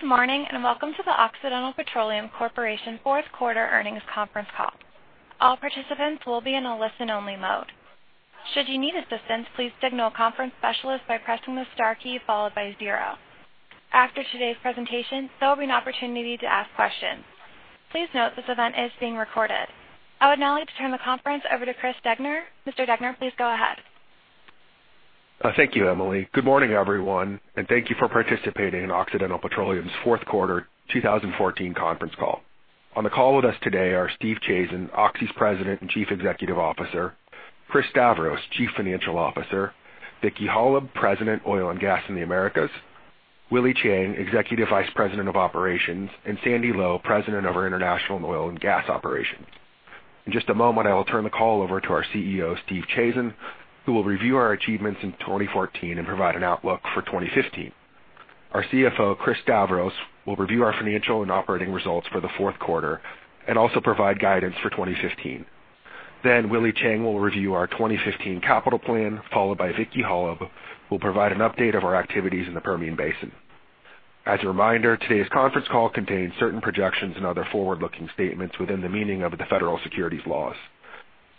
Good morning. Welcome to the Occidental Petroleum Corporation fourth quarter earnings conference call. All participants will be in a listen-only mode. Should you need assistance, please signal a conference specialist by pressing the star key followed by zero. After today's presentation, there will be an opportunity to ask questions. Please note this event is being recorded. I would now like to turn the conference over to Chris Degner. Mr. Degner, please go ahead. Thank you, Emily. Good morning, everyone. Thank you for participating in Occidental Petroleum's fourth quarter 2014 conference call. On the call with us today are Stephen Chazen, Oxy's President and Chief Executive Officer, Chris Stavros, Chief Financial Officer, Vicki Hollub, President, Oil and Gas in the Americas, Willie Chiang, Executive Vice President of Operations, and Sandy Lowe, President of our International Oil and Gas Operations. In just a moment, I will turn the call over to our CEO, Stephen Chazen, who will review our achievements in 2014 and provide an outlook for 2015. Our CFO, Chris Stavros, will review our financial and operating results for the fourth quarter and also provide guidance for 2015. Willie Chiang will review our 2015 capital plan, followed by Vicki Hollub, who will provide an update of our activities in the Permian Basin. As a reminder, today's conference call contains certain projections and other forward-looking statements within the meaning of the federal securities laws.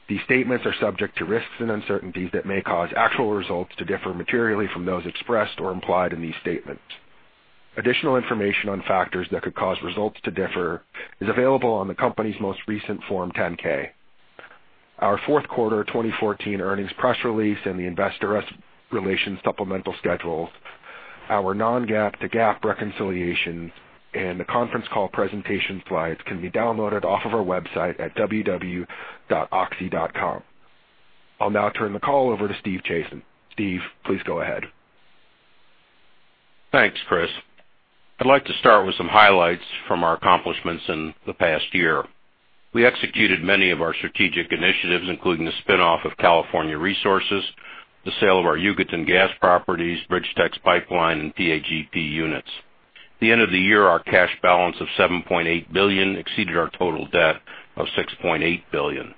These statements are subject to risks and uncertainties that may cause actual results to differ materially from those expressed or implied in these statements. Additional information on factors that could cause results to differ is available on the company's most recent Form 10-K. Our fourth quarter 2014 earnings press release and the investor relations supplemental schedules, our non-GAAP to GAAP reconciliation, and the conference call presentation slides can be downloaded off of our website at www.oxy.com. I'll now turn the call over to Stephen Chazen. Steve, please go ahead. Thanks, Chris. I'd like to start with some highlights from our accomplishments in the past year. We executed many of our strategic initiatives, including the spinoff of California Resources, the sale of our Yucatan gas properties, BridgeTex Pipeline, and PAGP units. At the end of the year, our cash balance of $7.8 billion exceeded our total debt of $6.8 billion.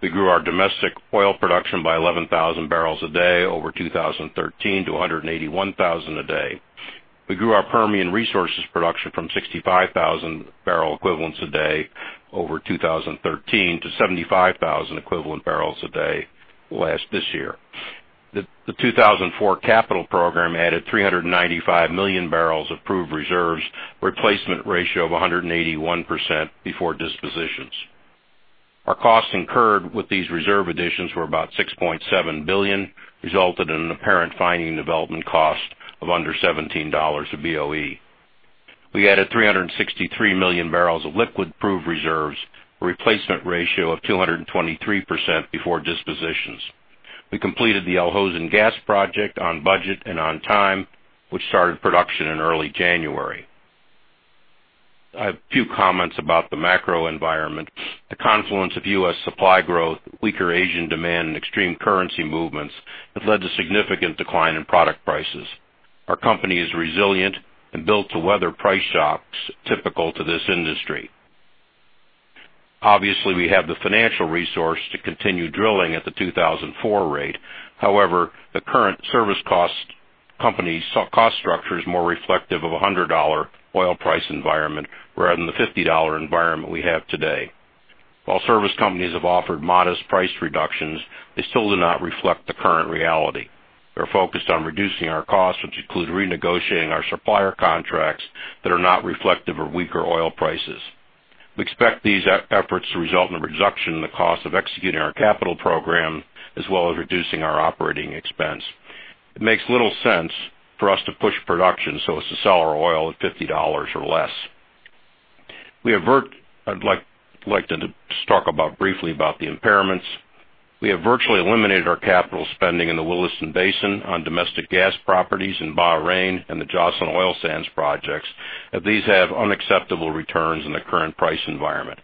We grew our domestic oil production by 11,000 barrels a day over 2013 to 181,000 a day. We grew our Permian Resources production from 65,000 barrel equivalents a day over 2013 to 75,000 equivalent barrels a day this year. The 2004 capital program added 395 million barrels of proved reserves, replacement ratio of 181% before dispositions. Our costs incurred with these reserve additions were about $6.7 billion, resulted in an apparent finding development cost of under $17 a BOE. We added 363 million barrels of liquid proved reserves, a replacement ratio of 223% before dispositions. We completed the Al Hosn Gas project on budget and on time, which started production in early January. I have a few comments about the macro environment. The confluence of U.S. supply growth, weaker Asian demand, and extreme currency movements have led to significant decline in product prices. Our company is resilient and built to weather price shocks typical to this industry. Obviously, we have the financial resource to continue drilling at the 2004 rate. However, the current service cost structure is more reflective of $100 oil price environment rather than the $50 environment we have today. While service companies have offered modest price reductions, they still do not reflect the current reality. We're focused on reducing our costs, which include renegotiating our supplier contracts that are not reflective of weaker oil prices. We expect these efforts to result in a reduction in the cost of executing our capital program, as well as reducing our operating expense. It makes little sense for us to push production so as to sell our oil at $50 or less. I'd like to just talk briefly about the impairments. We have virtually eliminated our capital spending in the Williston Basin on domestic gas properties in Bahrain and the Joslyn Oil Sands projects, as these have unacceptable returns in the current price environment.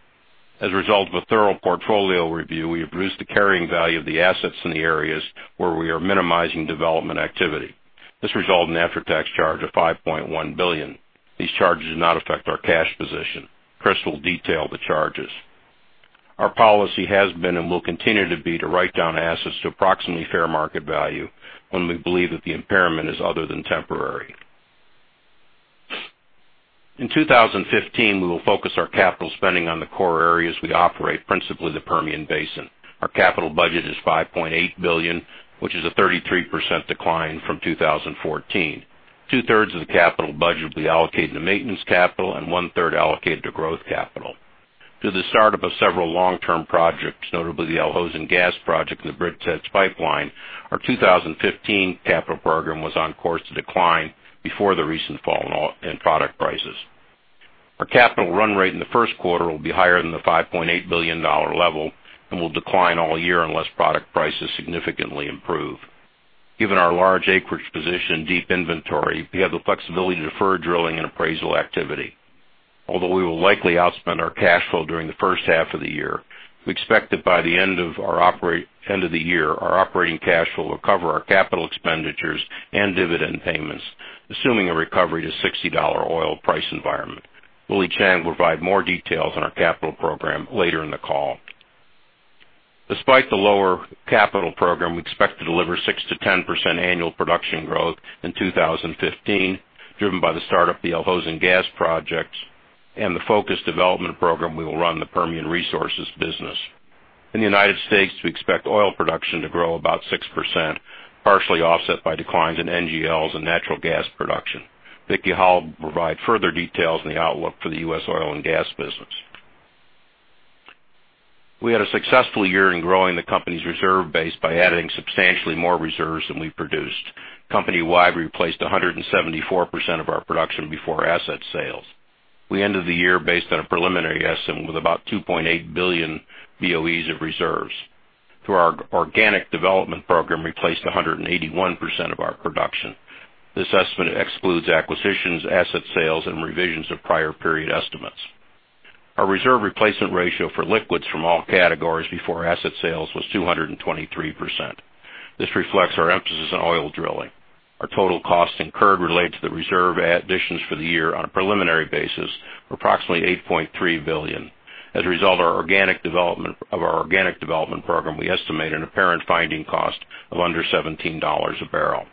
As a result of a thorough portfolio review, we have reduced the carrying value of the assets in the areas where we are minimizing development activity. This resulted in an after-tax charge of $5.1 billion. These charges do not affect our cash position. Chris will detail the charges. Our policy has been and will continue to be to write down assets to approximately fair market value when we believe that the impairment is other than temporary. In 2015, we will focus our capital spending on the core areas we operate, principally the Permian Basin. Our capital budget is $5.8 billion, which is a 33% decline from 2014. Two-thirds of the capital budget will be allocated to maintenance capital and one-third allocated to growth capital. Through the startup of several long-term projects, notably the Al Hosn Gas project and the BridgeTex pipeline, our 2015 capital program was on course to decline before the recent fall in product prices. Our capital run rate in the first quarter will be higher than the $5.8 billion level and will decline all year unless product prices significantly improve. Given our large acreage position and deep inventory, we have the flexibility to defer drilling and appraisal activity. Although we will likely outspend our cash flow during the first half of the year, we expect that by the end of the year, our operating cash flow will cover our capital expenditures and dividend payments, assuming a recovery to $60 oil price environment. Willie Chiang will provide more details on our capital program later in the call. Despite the lower capital program, we expect to deliver 6%-10% annual production growth in 2015, driven by the start of the Al Hosn Gas project and the focused development program we will run the Permian Resources business. In the U.S., we expect oil production to grow about 6%, partially offset by declines in NGLs and natural gas production. Vicki Hollub will provide further details on the outlook for the U.S. oil and gas business. We had a successful year in growing the company's reserve base by adding substantially more reserves than we produced. Company-wide, we replaced 174% of our production before asset sales. We ended the year based on a preliminary estimate with about 2.8 billion BOEs of reserves. Through our organic development program, we replaced 181% of our production. This estimate excludes acquisitions, asset sales, and revisions of prior period estimates. Our reserve replacement ratio for liquids from all categories before asset sales was 223%. This reflects our emphasis on oil drilling. Our total costs incurred related to the reserve additions for the year on a preliminary basis were approximately $8.3 billion. As a result of our organic development program, we estimate an apparent finding cost of under $17 a barrel.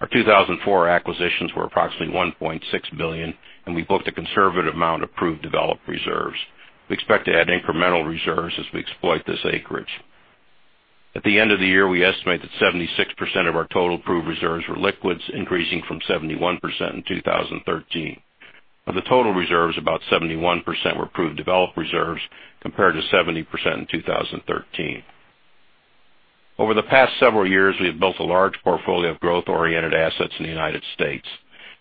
Our 2004 acquisitions were approximately $1.6 billion. We booked a conservative amount of proved developed reserves. We expect to add incremental reserves as we exploit this acreage. At the end of the year, we estimate that 76% of our total proved reserves were liquids, increasing from 71% in 2013. Of the total reserves, about 71% were proved developed reserves, compared to 70% in 2013. Over the past several years, we have built a large portfolio of growth-oriented assets in the U.S.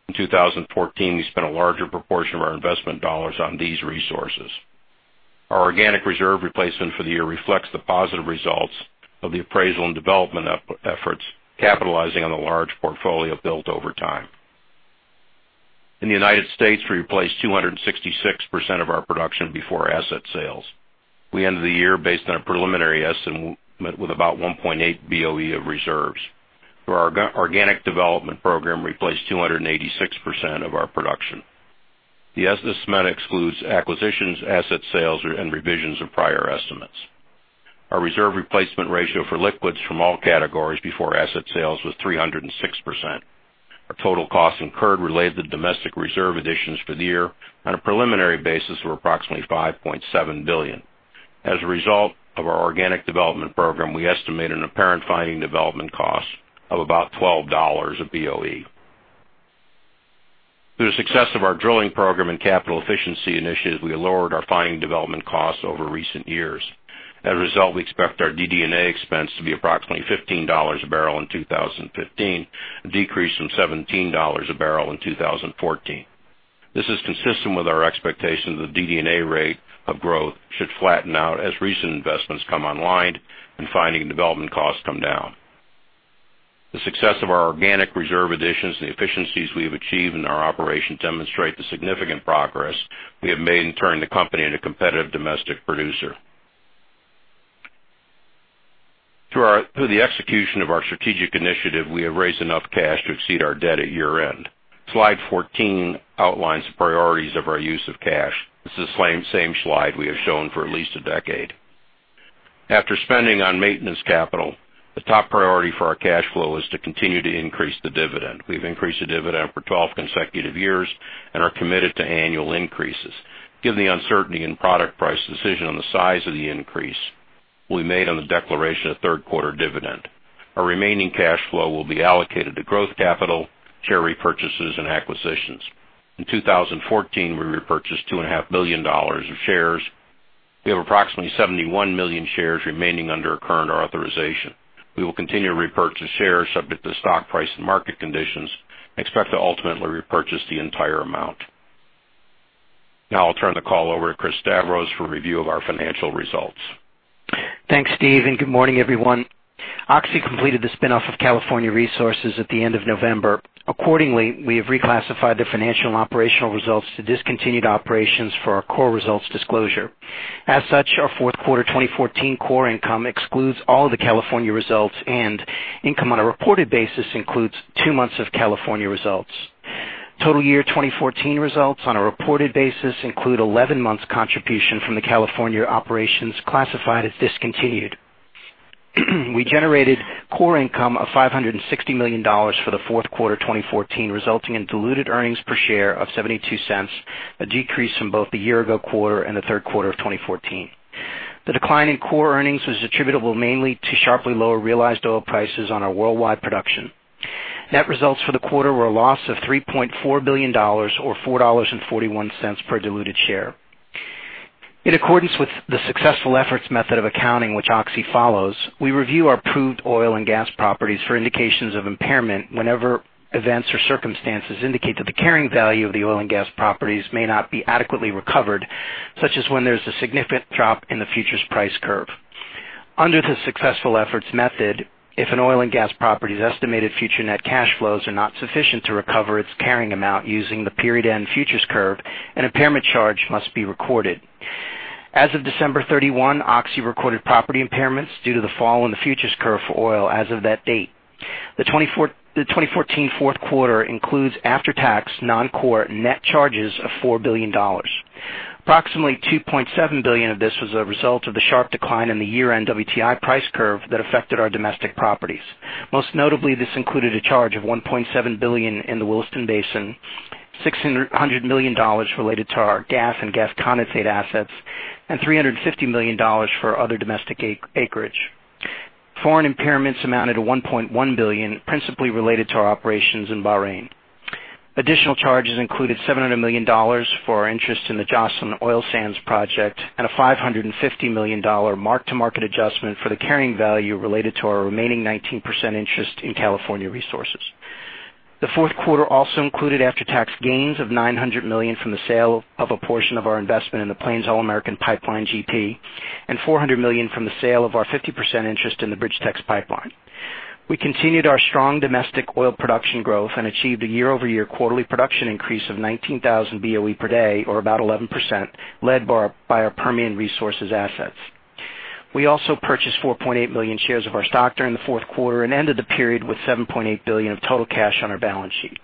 In 2014, we spent a larger proportion of our investment dollars on these resources. Our organic reserve replacement for the year reflects the positive results of the appraisal and development efforts, capitalizing on the large portfolio built over time. In the U.S., we replaced 266% of our production before asset sales. We ended the year based on a preliminary estimate with about 1.8 BOE of reserves. Through our organic development program, we replaced 286% of our production. This estimate excludes acquisitions, asset sales, and revisions of prior estimates. Our reserve replacement ratio for liquids from all categories before asset sales was 306%. Our total costs incurred related to domestic reserve additions for the year on a preliminary basis were approximately $5.7 billion. As a result of our organic development program, we estimate an apparent finding development cost of about $12 a BOE. Through the success of our drilling program and capital efficiency initiatives, we have lowered our finding development costs over recent years. As a result, we expect our DD&A expense to be approximately $15 a barrel in 2015, a decrease from $17 a barrel in 2014. This is consistent with our expectation that DD&A rate of growth should flatten out as recent investments come online and finding and development costs come down. The success of our organic reserve additions and the efficiencies we have achieved in our operation demonstrate the significant progress we have made in turning the company into a competitive domestic producer. Through the execution of our strategic initiative, we have raised enough cash to exceed our debt at year-end. Slide 14 outlines the priorities of our use of cash. This is the same slide we have shown for at least a decade. After spending on maintenance capital, the top priority for our cash flow is to continue to increase the dividend. We've increased the dividend for 12 consecutive years and are committed to annual increases. Given the uncertainty in product price decision on the size of the increase will be made on the declaration of third quarter dividend. Our remaining cash flow will be allocated to growth capital, share repurchases, and acquisitions. In 2014, we repurchased $2.5 billion of shares. We have approximately 71 million shares remaining under our current authorization. We will continue to repurchase shares subject to stock price and market conditions and expect to ultimately repurchase the entire amount. Now I'll turn the call over to Chris Stavros for review of our financial results. Thanks, Steve. Good morning, everyone. Oxy completed the spin-off of California Resources at the end of November. Accordingly, we have reclassified the financial and operational results to discontinued operations for our core results disclosure. As such, our fourth quarter 2014 core income excludes all the California results, and income on a reported basis includes two months of California results. Total year 2014 results on a reported basis include 11 months contribution from the California operations classified as discontinued. We generated core income of $560 million for the fourth quarter 2014, resulting in diluted earnings per share of $0.72, a decrease from both the year ago quarter and the third quarter of 2014. The decline in core earnings was attributable mainly to sharply lower realized oil prices on our worldwide production. Net results for the quarter were a loss of $3.4 billion, or $4.41 per diluted share. In accordance with the successful efforts method of accounting which Oxy follows, we review our proved oil and gas properties for indications of impairment whenever events or circumstances indicate that the carrying value of the oil and gas properties may not be adequately recovered, such as when there's a significant drop in the futures price curve. Under the successful efforts method, if an oil and gas property's estimated future net cash flows are not sufficient to recover its carrying amount using the period-end futures curve, an impairment charge must be recorded. As of December 31, Oxy recorded property impairments due to the fall in the futures curve for oil as of that date. The 2014 fourth quarter includes after-tax non-core net charges of $4 billion. Approximately $2.7 billion of this was a result of the sharp decline in the year-end WTI price curve that affected our domestic properties. Most notably, this included a charge of $1.7 billion in the Williston Basin, $600 million related to our gas and gas condensate assets, and $350 million for other domestic acreage. Foreign impairments amounted to $1.1 billion, principally related to our operations in Bahrain. Additional charges included $700 million for our interest in the Joslyn Oil Sands project and a $550 million mark-to-market adjustment for the carrying value related to our remaining 19% interest in California Resources. The fourth quarter also included after-tax gains of $900 million from the sale of a portion of our investment in the Plains All American Pipeline GP and $400 million from the sale of our 50% interest in the BridgeTex pipeline. We continued our strong domestic oil production growth and achieved a year-over-year quarterly production increase of 19,000 BOE per day, or about 11%, led by our Permian Resources assets. We also purchased 4.8 million shares of our stock during the fourth quarter and ended the period with $7.8 billion of total cash on our balance sheet.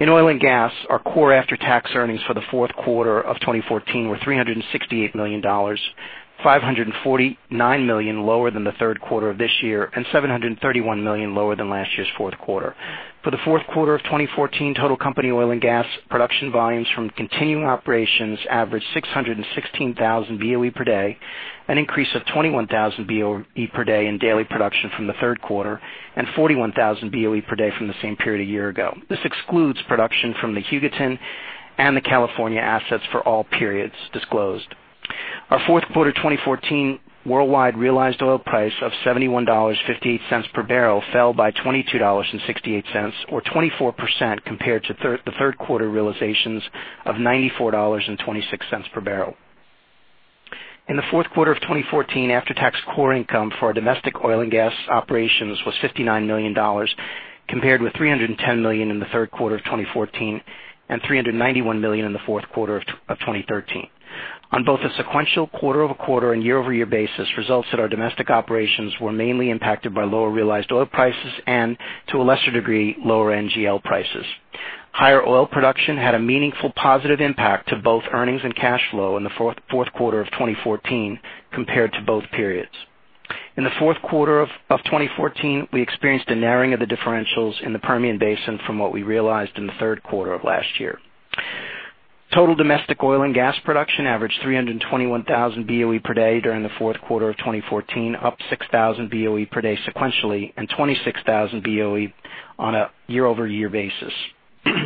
In oil and gas, our core after-tax earnings for the fourth quarter of 2014 were $368 million, $549 million lower than the third quarter of this year, and $731 million lower than last year's fourth quarter. For the fourth quarter of 2014, total company oil and gas production volumes from continuing operations averaged 616,000 BOE per day, an increase of 21,000 BOE per day in daily production from the third quarter, and 41,000 BOE per day from the same period a year ago. This excludes production from the Hugoton and the California assets for all periods disclosed. Our fourth quarter 2014 worldwide realized oil price of $71.58 per barrel fell by $22.68 or 24% compared to the third quarter realizations of $94.26 per barrel. In the fourth quarter of 2014, after-tax core income for our domestic oil and gas operations was $59 million, compared with $310 million in the third quarter of 2014 and $391 million in the fourth quarter of 2013. On both a sequential quarter-over-quarter and year-over-year basis, results at our domestic operations were mainly impacted by lower realized oil prices, and to a lesser degree, lower NGL prices. Higher oil production had a meaningful positive impact to both earnings and cash flow in the fourth quarter of 2014 compared to both periods. In the fourth quarter of 2014, we experienced a narrowing of the differentials in the Permian Basin from what we realized in the third quarter of last year. Total domestic oil and gas production averaged 321,000 BOE per day during the fourth quarter of 2014, up 6,000 BOE per day sequentially, and 26,000 BOE on a year-over-year basis.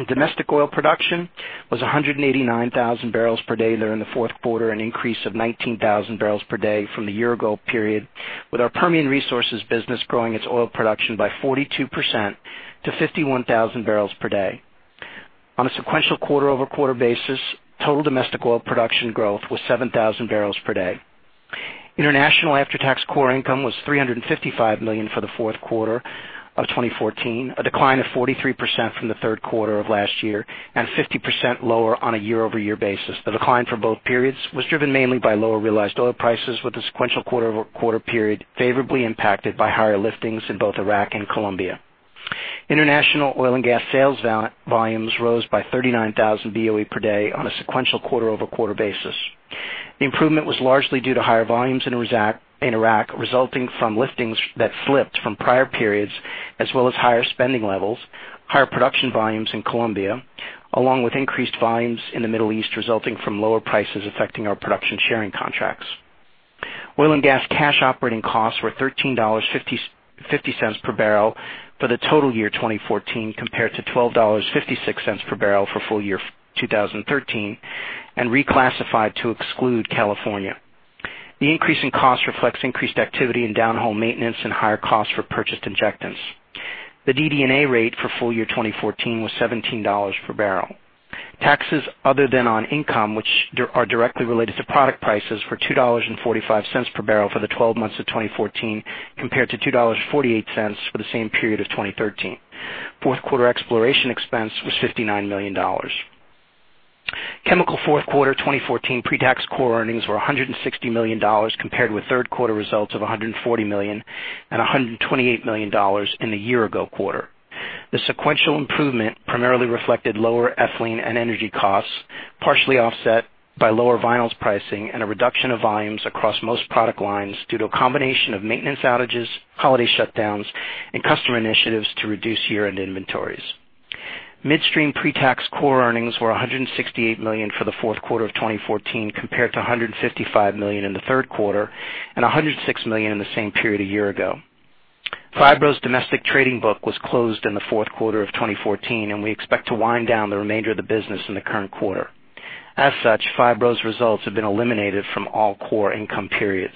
Domestic oil production was 189,000 barrels per day during the fourth quarter, an increase of 19,000 barrels per day from the year ago period, with our Permian Resources business growing its oil production by 42% to 51,000 barrels per day. On a sequential quarter-over-quarter basis, total domestic oil production growth was 7,000 barrels per day. International after-tax core income was $355 million for the fourth quarter of 2014, a decline of 43% from the third quarter of last year, and 50% lower on a year-over-year basis. The decline for both periods was driven mainly by lower realized oil prices, with the sequential quarter-over-quarter period favorably impacted by higher liftings in both Iraq and Colombia. International oil and gas sales volumes rose by 39,000 BOE per day on a sequential quarter-over-quarter basis. The improvement was largely due to higher volumes in Iraq, resulting from liftings that flipped from prior periods, as well as higher spending levels, higher production volumes in Colombia, along with increased volumes in the Middle East, resulting from lower prices affecting our production sharing contracts. Oil and gas cash operating costs were $13.50 per barrel for the total year 2014, compared to $12.56 per barrel for full year 2013, and reclassified to exclude California. The increase in cost reflects increased activity in downhole maintenance and higher costs for purchased injectants. The DD&A rate for full year 2014 was $17 per barrel. Taxes other than on income, which are directly related to product prices, were $2.45 per barrel for the 12 months of 2014, compared to $2.48 for the same period of 2013. Fourth quarter exploration expense was $59 million. Chemical fourth quarter 2014 pre-tax core earnings were $160 million, compared with third quarter results of $140 million and $128 million in the year ago quarter. The sequential improvement primarily reflected lower ethylene and energy costs, partially offset by lower vinyls pricing and a reduction of volumes across most product lines due to a combination of maintenance outages, holiday shutdowns, and customer initiatives to reduce year-end inventories. Midstream pre-tax core earnings were $168 million for the fourth quarter of 2014, compared to $155 million in the third quarter and $106 million in the same period a year ago. Phibro's domestic trading book was closed in the fourth quarter of 2014, and we expect to wind down the remainder of the business in the current quarter. As such, Phibro's results have been eliminated from all core income periods.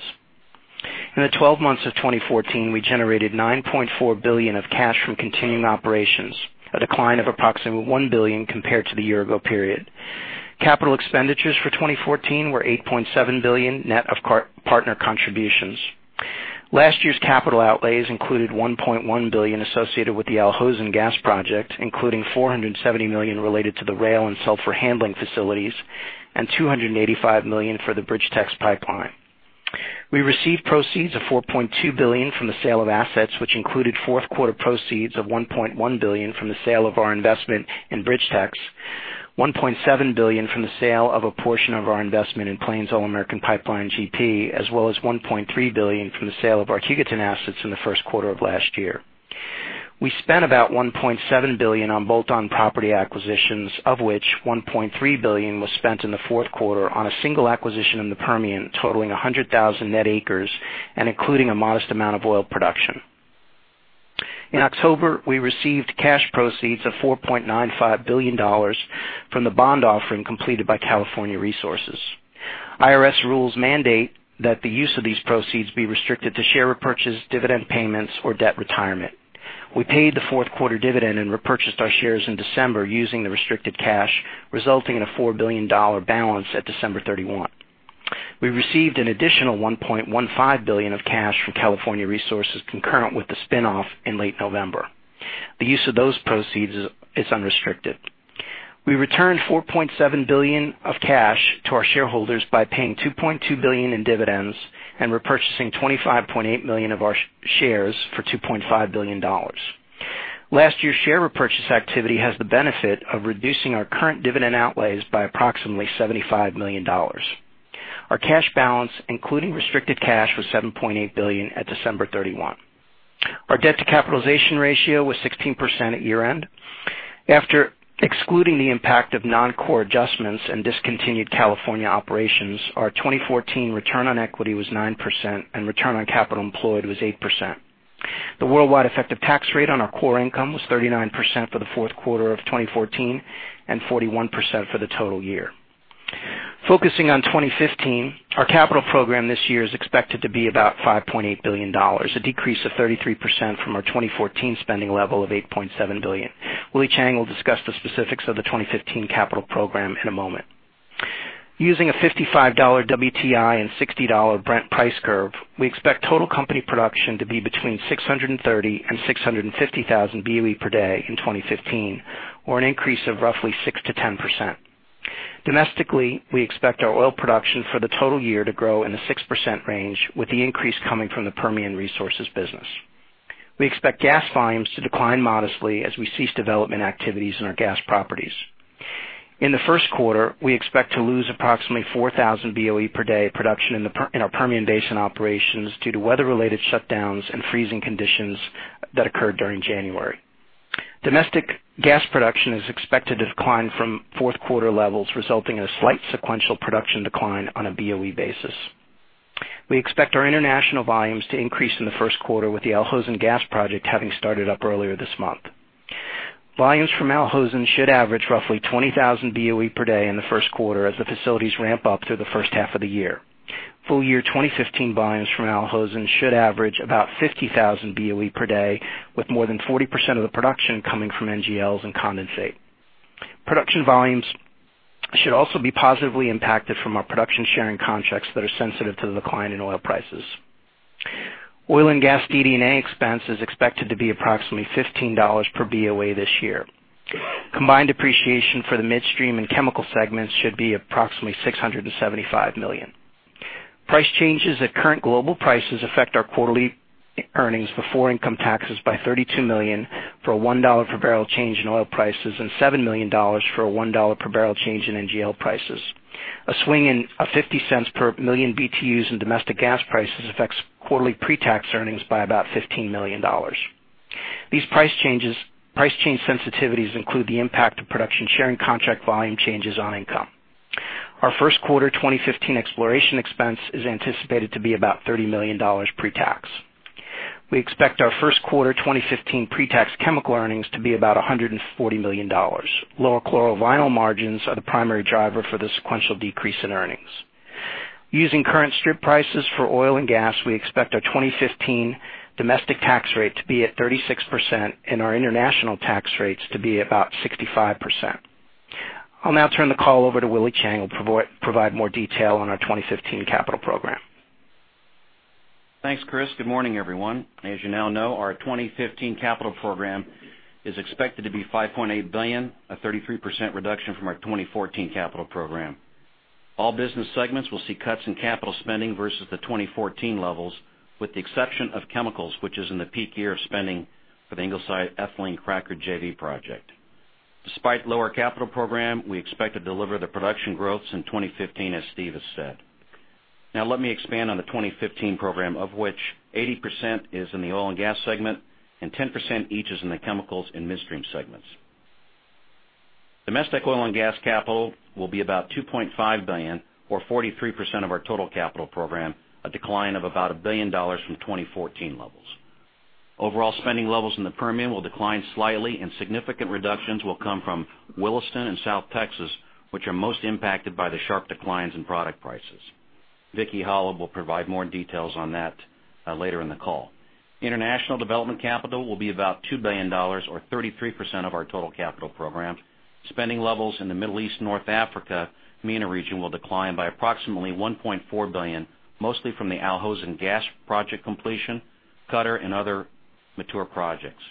In the 12 months of 2014, we generated $9.4 billion of cash from continuing operations, a decline of approximately $1 billion compared to the year ago period. Capital expenditures for 2014 were $8.7 billion, net of partner contributions. Last year's capital outlays included $1.1 billion associated with the Al Hosn gas project, including $470 million related to the rail and sulfur handling facilities and $285 million for the BridgeTex Pipeline. We received proceeds of $4.2 billion from the sale of assets, which included fourth quarter proceeds of $1.1 billion from the sale of our investment in BridgeTex, $1.7 billion from the sale of a portion of our investment in Plains All American Pipeline GP, as well as $1.3 billion from the sale of our Hugoton assets in the first quarter of last year. We spent about $1.7 billion on bolt-on property acquisitions, of which $1.3 billion was spent in the fourth quarter on a single acquisition in the Permian, totaling 100,000 net acres and including a modest amount of oil production. In October, we received cash proceeds of $4.95 billion from the bond offering completed by California Resources. IRS rules mandate that the use of these proceeds be restricted to share repurchases, dividend payments, or debt retirement. We paid the fourth quarter dividend and repurchased our shares in December using the restricted cash, resulting in a $4 billion balance at December 31. We received an additional $1.15 billion of cash from California Resources concurrent with the spinoff in late November. The use of those proceeds is unrestricted. We returned $4.7 billion of cash to our shareholders by paying $2.2 billion in dividends and repurchasing 25.8 million of our shares for $2.5 billion. Last year's share repurchase activity has the benefit of reducing our current dividend outlays by approximately $75 million. Our cash balance, including restricted cash, was $7.8 billion at December 31. Our debt to capitalization ratio was 16% at year-end. After excluding the impact of non-core adjustments and discontinued California operations, our 2014 return on equity was 9% and return on capital employed was 8%. The worldwide effective tax rate on our core income was 39% for the fourth quarter of 2014 and 41% for the total year. Focusing on 2015, our capital program this year is expected to be about $5.8 billion, a decrease of 33% from our 2014 spending level of $8.7 billion. Willie Chiang will discuss the specifics of the 2015 capital program in a moment. Using a $55 WTI and $60 Brent price curve, we expect total company production to be between 630,000 and 650,000 BOE per day in 2015 or an increase of roughly 6%-10%. Domestically, we expect our oil production for the total year to grow in the 6% range with the increase coming from the Permian Resources business. We expect gas volumes to decline modestly as we cease development activities in our gas properties. In the first quarter, we expect to lose approximately 4,000 BOE per day production in our Permian Basin operations due to weather-related shutdowns and freezing conditions that occurred during January. Domestic gas production is expected to decline from fourth quarter levels, resulting in a slight sequential production decline on a BOE basis. We expect our international volumes to increase in the first quarter with the Al Hosn Gas project having started up earlier this month. Volumes from Al Hosn should average roughly 20,000 BOE per day in the first quarter as the facilities ramp up through the first half of the year. Full year 2015 volumes from Al Hosn should average about 50,000 BOE per day, with more than 40% of the production coming from NGLs and condensate. Production volumes should also be positively impacted from our production sharing contracts that are sensitive to the decline in oil prices. Oil and gas DD&A expense is expected to be approximately $15 per BOE this year. Combined depreciation for the midstream and chemical segments should be approximately $675 million. Price changes at current global prices affect our quarterly earnings before income taxes by $32 million for a $1 per barrel change in oil prices and $7 million for a $1 per barrel change in NGL prices. A swing in a $0.50 per million BTUs in domestic gas prices affects quarterly pre-tax earnings by about $15 million. These price change sensitivities include the impact of production sharing contract volume changes on income. Our first quarter 2015 exploration expense is anticipated to be about $30 million pre-tax. We expect our first quarter 2015 pre-tax chemical earnings to be about $140 million. Lower chlorovinyl margins are the primary driver for the sequential decrease in earnings. Using current strip prices for oil and gas, we expect our 2015 domestic tax rate to be at 36% and our international tax rates to be about 65%. I'll now turn the call over to Willy Chang, who will provide more detail on our 2015 capital program. Thanks, Chris. Good morning, everyone. As you now know, our 2015 capital program is expected to be $5.8 billion, a 33% reduction from our 2014 capital program. All business segments will see cuts in capital spending versus the 2014 levels, with the exception of chemicals, which is in the peak year of spending for the Ingleside Ethylene Cracker JV project. Despite lower capital program, we expect to deliver the production growths in 2015, as Steve has said. Let me expand on the 2015 program, of which 80% is in the oil and gas segment and 10% each is in the chemicals and midstream segments. Domestic oil and gas capital will be about $2.5 billion or 43% of our total capital program, a decline of about $1 billion from 2014 levels. Overall spending levels in the Permian will decline slightly. Significant reductions will come from Williston and South Texas, which are most impacted by the sharp declines in product prices. Vicki Hollub will provide more details on that later in the call. International development capital will be about $2 billion or 33% of our total capital program. Spending levels in the Middle East and North Africa, MENA region, will decline by approximately $1.4 billion, mostly from the Al Hosn Gas project completion, Qatar, and other mature projects.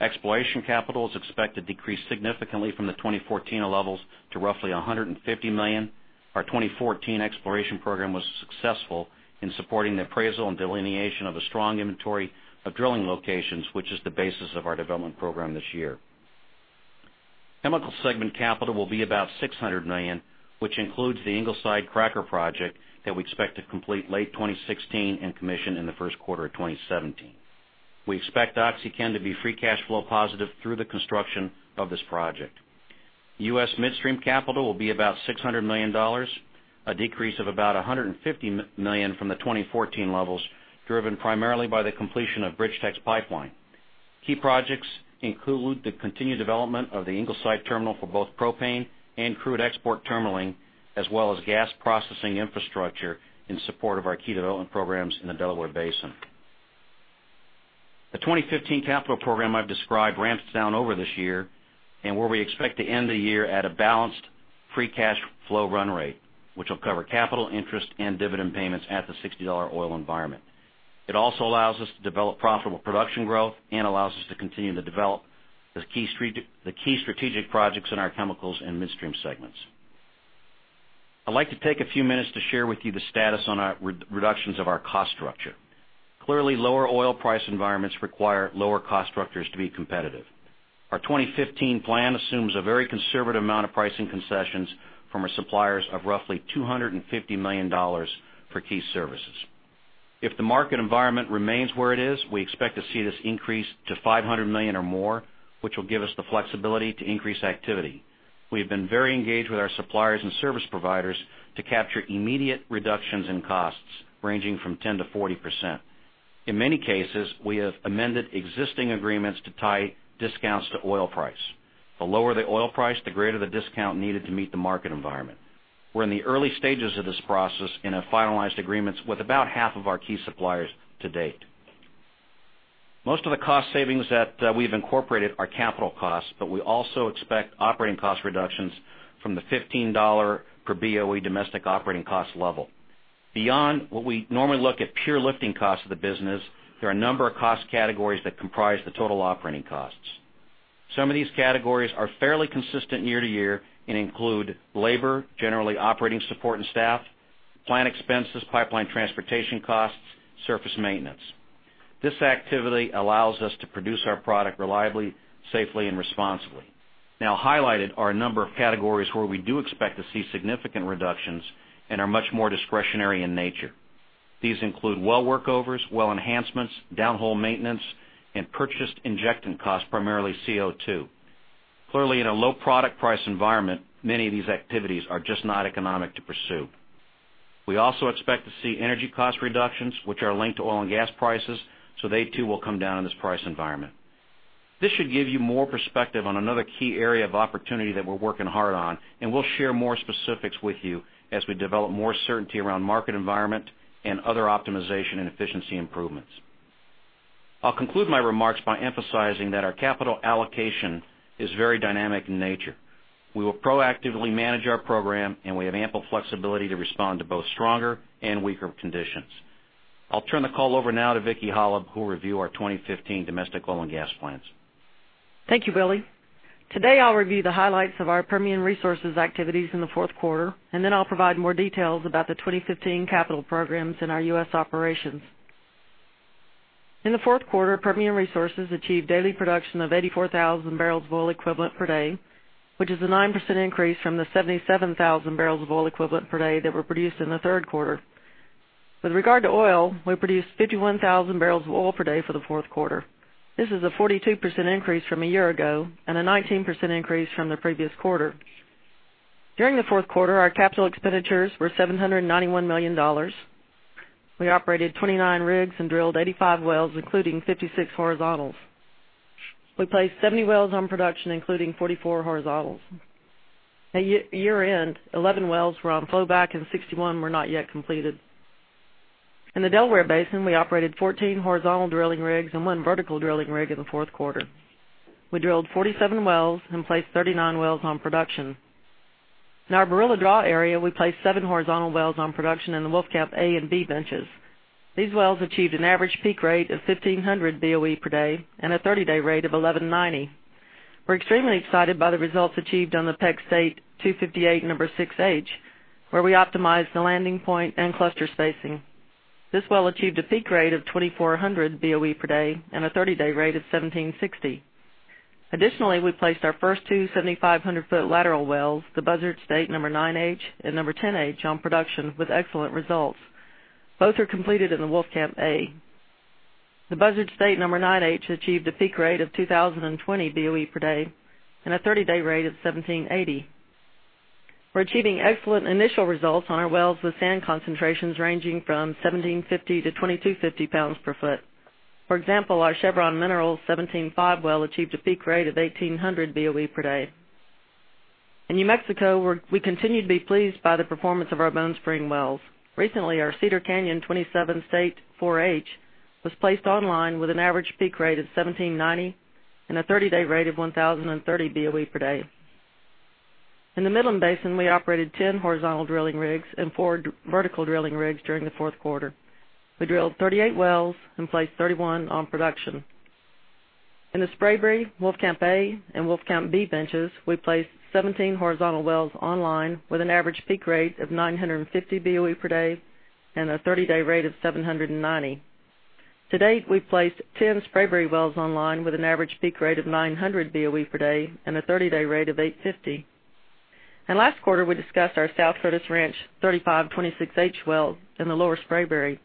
Exploration capital is expected to decrease significantly from the 2014 levels to roughly $150 million. Our 2014 exploration program was successful in supporting the appraisal and delineation of a strong inventory of drilling locations, which is the basis of our development program this year. Chemical segment capital will be about $600 million, which includes the Ingleside Cracker project that we expect to complete late 2016. Commission in the first quarter of 2017. We expect OxyChem to be free cash flow positive through the construction of this project. U.S. midstream capital will be about $600 million, a decrease of about $150 million from the 2014 levels, driven primarily by the completion of BridgeTex Pipeline. Key projects include the continued development of the Ingleside terminal for both propane and crude export terminaling, as well as gas processing infrastructure in support of our key development programs in the Delaware Basin. The 2015 capital program I've described ramps down over this year. Where we expect to end the year at a balanced free cash flow run rate, which will cover capital interest and dividend payments at the $60 oil environment. It also allows us to develop profitable production growth and allows us to continue to develop the key strategic projects in our chemicals and midstream segments. I'd like to take a few minutes to share with you the status on our reductions of our cost structure. Clearly, lower oil price environments require lower cost structures to be competitive. Our 2015 plan assumes a very conservative amount of pricing concessions from our suppliers of roughly $250 million for key services. If the market environment remains where it is, we expect to see this increase to $500 million or more, which will give us the flexibility to increase activity. We have been very engaged with our suppliers and service providers to capture immediate reductions in costs ranging from 10%-40%. In many cases, we have amended existing agreements to tie discounts to oil price. The lower the oil price, the greater the discount needed to meet the market environment. We're in the early stages of this process and have finalized agreements with about half of our key suppliers to date. Most of the cost savings that we've incorporated are capital costs, but we also expect operating cost reductions from the $15 per BOE domestic operating cost level. Beyond what we normally look at pure lifting costs of the business, there are a number of cost categories that comprise the total operating costs. Some of these categories are fairly consistent year-to-year and include labor, generally operating support and staff, plant expenses, pipeline transportation costs, surface maintenance. This activity allows us to produce our product reliably, safely and responsibly. Highlighted are a number of categories where we do expect to see significant reductions and are much more discretionary in nature. These include well workovers, well enhancements, downhole maintenance, and purchased injectant costs, primarily CO2. In a low product price environment, many of these activities are just not economic to pursue. We also expect to see energy cost reductions, which are linked to oil and gas prices, they too will come down in this price environment. This should give you more perspective on another key area of opportunity that we're working hard on, and we'll share more specifics with you as we develop more certainty around market environment and other optimization and efficiency improvements. I'll conclude my remarks by emphasizing that our capital allocation is very dynamic in nature. We will proactively manage our program, and we have ample flexibility to respond to both stronger and weaker conditions. I'll turn the call over now to Vicki Hollub, who will review our 2015 domestic oil and gas plans. Thank you, Willie. I'll review the highlights of our Permian Resources activities in the fourth quarter, then I'll provide more details about the 2015 capital programs in our U.S. operations. In the fourth quarter, Permian Resources achieved daily production of 84,000 barrels of oil equivalent per day, which is a 9% increase from the 77,000 barrels of oil equivalent per day that were produced in the third quarter. With regard to oil, we produced 51,000 barrels of oil per day for the fourth quarter. This is a 42% increase from a year ago and a 19% increase from the previous quarter. During the fourth quarter, our capital expenditures were $791 million. We operated 29 rigs and drilled 85 wells, including 56 horizontals. We placed 70 wells on production, including 44 horizontals. At year-end, 11 wells were on flowback and 61 were not yet completed. In the Delaware Basin, we operated 14 horizontal drilling rigs and one vertical drilling rig in the fourth quarter. We drilled 47 wells and placed 39 wells on production. In our Barilla Draw area, we placed seven horizontal wells on production in the Wolfcamp A and B benches. These wells achieved an average peak rate of 1,500 BOE per day and a 30-day rate of 1,190. We're extremely excited by the results achieved on the Peck State 258 number 6H, where we optimized the landing point and cluster spacing. This well achieved a peak rate of 2,400 BOE per day and a 30-day rate of 1,760. We placed our first two 7,500 foot lateral wells, the Buzzard State number 9H and number 10H on production with excellent results. Both are completed in the Wolfcamp A. The Buzzard State number 9H achieved a peak rate of 2,020 BOE per day and a 30-day rate of 1,780. We're achieving excellent initial results on our wells with sand concentrations ranging from 1,750 to 2,250 pounds per foot. For example, our Chevron Minerals 17-5 well achieved a peak rate of 1,800 BOE per day. In New Mexico, we continue to be pleased by the performance of our Bone Spring wells. Recently, our Cedar Canyon 27 State 4H was placed online with an average peak rate of 1,790 and a 30-day rate of 1,030 BOE per day. In the Midland Basin, we operated 10 horizontal drilling rigs and four vertical drilling rigs during the fourth quarter. We drilled 38 wells and placed 31 on production. In the Spraberry Wolfcamp A and Wolfcamp B benches, we placed 17 horizontal wells online with an average peak rate of 950 BOE per day and a 30-day rate of 790. To date, we've placed 10 Spraberry wells online with an average peak rate of 900 BOE per day and a 30-day rate of 850. In last quarter, we discussed our South Curtis Ranch 3526H well in the Lower Spraberry.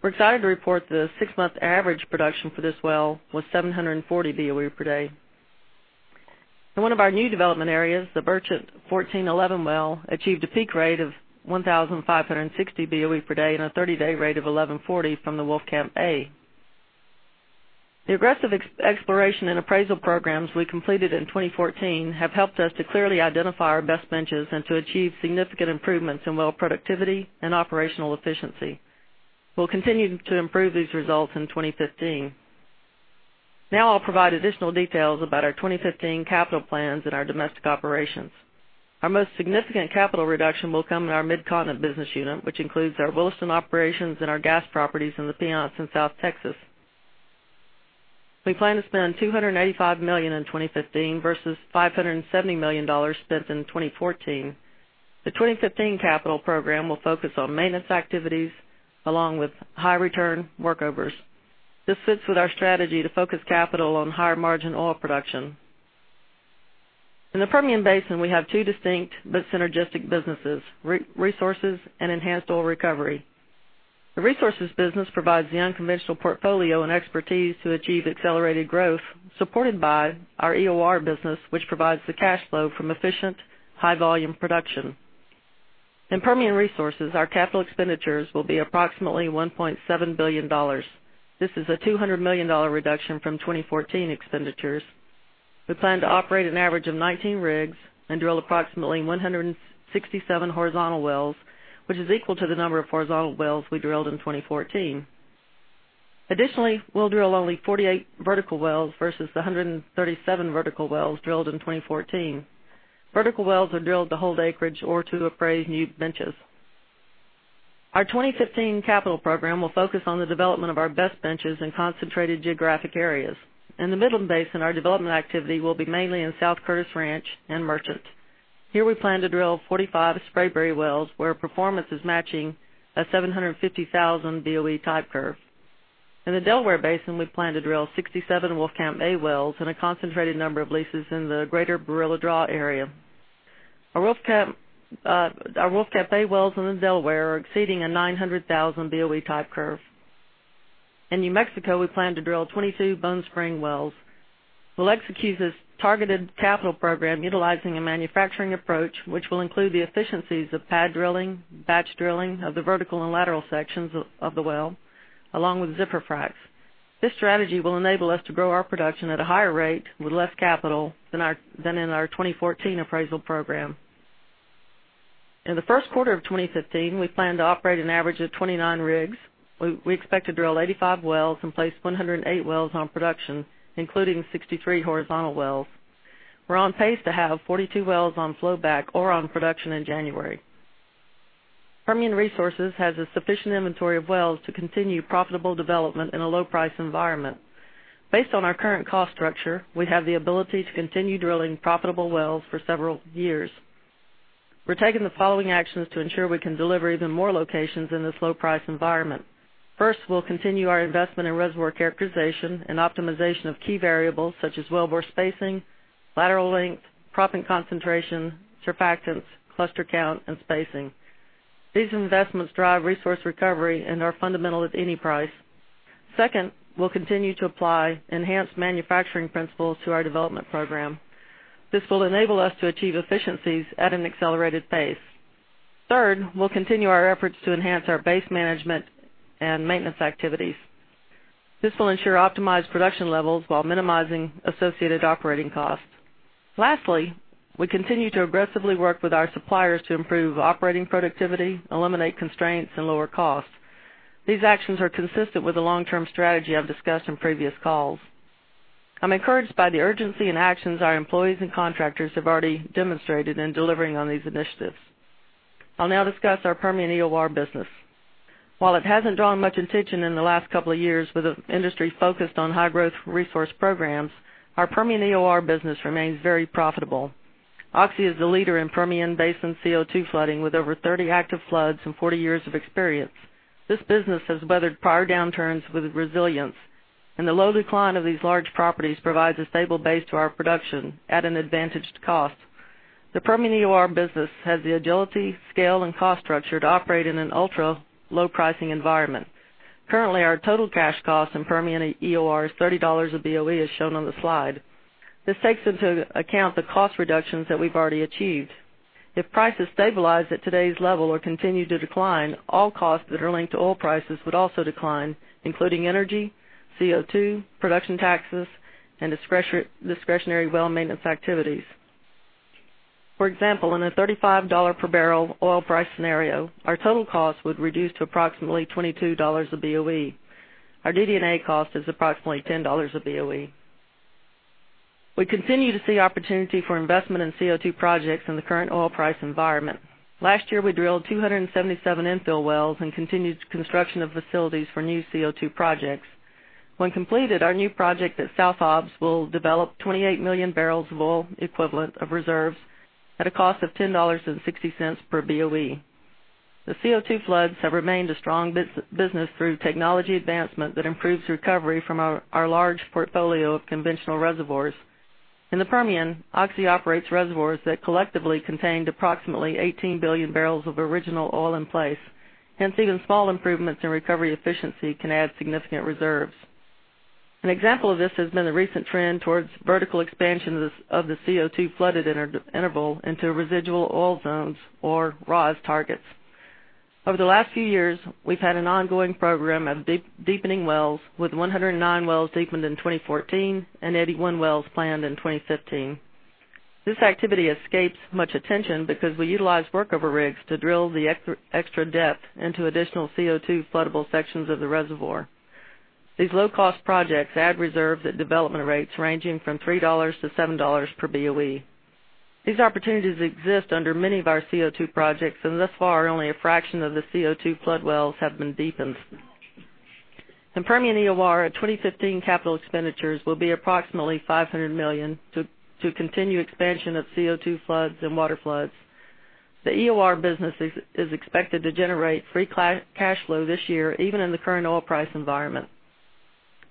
We're excited to report the six-month average production for this well was 740 BOE per day. In one of our new development areas, the Merchant 1411 well achieved a peak rate of 1,560 BOE per day and a 30-day rate of 1,140 from the Wolfcamp A. The aggressive exploration and appraisal programs we completed in 2014 have helped us to clearly identify our best benches and to achieve significant improvements in well productivity and operational efficiency. We'll continue to improve these results in 2015. Now I'll provide additional details about our 2015 capital plans in our domestic operations. Our most significant capital reduction will come in our Mid-Continent business unit, which includes our Williston operations and our gas properties in the Piceance and West Texas. We plan to spend $285 million in 2015 versus $570 million spent in 2014. The 2015 capital program will focus on maintenance activities along with high return workovers. This fits with our strategy to focus capital on higher margin oil production. In the Permian Basin, we have two distinct but synergistic businesses, Resources and Enhanced Oil Recovery. The Resources business provides the unconventional portfolio and expertise to achieve accelerated growth, supported by our EOR business, which provides the cash flow from efficient, high volume production. In Permian Resources, our capital expenditures will be approximately $1.7 billion. This is a $200 million reduction from 2014 expenditures. We plan to operate an average of 19 rigs and drill approximately 167 horizontal wells, which is equal to the number of horizontal wells we drilled in 2014. Additionally, we'll drill only 48 vertical wells versus the 137 vertical wells drilled in 2014. Vertical wells are drilled to hold acreage or to appraise new benches. Our 2015 capital program will focus on the development of our best benches in concentrated geographic areas. In the Midland Basin, our development activity will be mainly in South Curtis Ranch and Merchant. Here we plan to drill 45 Spraberry wells, where performance is matching a 750,000 BOE type curve. In the Delaware Basin, we plan to drill 67 Wolfcamp A wells in a concentrated number of leases in the greater Barilla Draw area. Our Wolfcamp A wells in the Delaware are exceeding a 900,000 BOE type curve. In New Mexico, we plan to drill 22 Bone Spring wells. We'll execute this targeted capital program utilizing a manufacturing approach, which will include the efficiencies of pad drilling, batch drilling of the vertical and lateral sections of the well, along with zipper fracs. This strategy will enable us to grow our production at a higher rate with less capital than in our 2014 appraisal program. In the first quarter of 2015, we plan to operate an average of 29 rigs. We expect to drill 85 wells and place 108 wells on production, including 63 horizontal wells. We're on pace to have 42 wells on flowback or on production in January. Permian Resources has a sufficient inventory of wells to continue profitable development in a low price environment. Based on our current cost structure, we have the ability to continue drilling profitable wells for several years. We're taking the following actions to ensure we can deliver even more locations in this low price environment. First, we'll continue our investment in reservoir characterization and optimization of key variables such as well bore spacing, lateral length, proppant concentration, surfactants, cluster count and spacing. These investments drive resource recovery and are fundamental at any price. Second, we'll continue to apply enhanced manufacturing principles to our development program. This will enable us to achieve efficiencies at an accelerated pace. Third, we'll continue our efforts to enhance our base management and maintenance activities. This will ensure optimized production levels while minimizing associated operating costs. Lastly, we continue to aggressively work with our suppliers to improve operating productivity, eliminate constraints, and lower costs. These actions are consistent with the long-term strategy I've discussed in previous calls. I'm encouraged by the urgency and actions our employees and contractors have already demonstrated in delivering on these initiatives. I'll now discuss our Permian EOR business. While it hasn't drawn much attention in the last couple of years with the industry focused on high growth resource programs, our Permian EOR business remains very profitable. Oxy is the leader in Permian Basin CO2 flooding, with over 30 active floods and 40 years of experience. This business has weathered prior downturns with resilience, and the low decline of these large properties provides a stable base to our production at an advantaged cost. The Permian EOR business has the agility, scale and cost structure to operate in an ultra low pricing environment. Currently, our total cash cost in Permian EOR is $30 a BOE, as shown on the slide. This takes into account the cost reductions that we've already achieved. If prices stabilize at today's level or continue to decline, all costs that are linked to oil prices would also decline, including energy, CO2, production taxes, and discretionary well maintenance activities. For example, in a $35 per barrel oil price scenario, our total cost would reduce to approximately $22 a BOE. Our DD&A cost is approximately $10 a BOE. We continue to see opportunity for investment in CO2 projects in the current oil price environment. Last year, we drilled 277 infill wells and continued construction of facilities for new CO2 projects. When completed, our new project at South Hobbs will develop 28 million barrels of oil equivalent of reserves at a cost of $10.60 per BOE. The CO2 floods have remained a strong business through technology advancement that improves recovery from our large portfolio of conventional reservoirs. In the Permian, Oxy operates reservoirs that collectively contained approximately 18 billion barrels of original oil in place. Hence, even small improvements in recovery efficiency can add significant reserves. An example of this has been the recent trend towards vertical expansion of the CO2 flooded interval into residual oil zones or ROZ targets. Over the last few years, we've had an ongoing program of deepening wells with 109 wells deepened in 2014 and 81 wells planned in 2015. This activity escapes much attention because we utilize workover rigs to drill the extra depth into additional CO2 floodable sections of the reservoir. These low-cost projects add reserves at development rates ranging from $3-$7 per BOE. These opportunities exist under many of our CO2 projects, and thus far, only a fraction of the CO2 flood wells have been deepened. In Permian EOR, our 2015 capital expenditures will be approximately $500 million to continue expansion of CO2 floods and water floods. The EOR business is expected to generate free cash flow this year, even in the current oil price environment.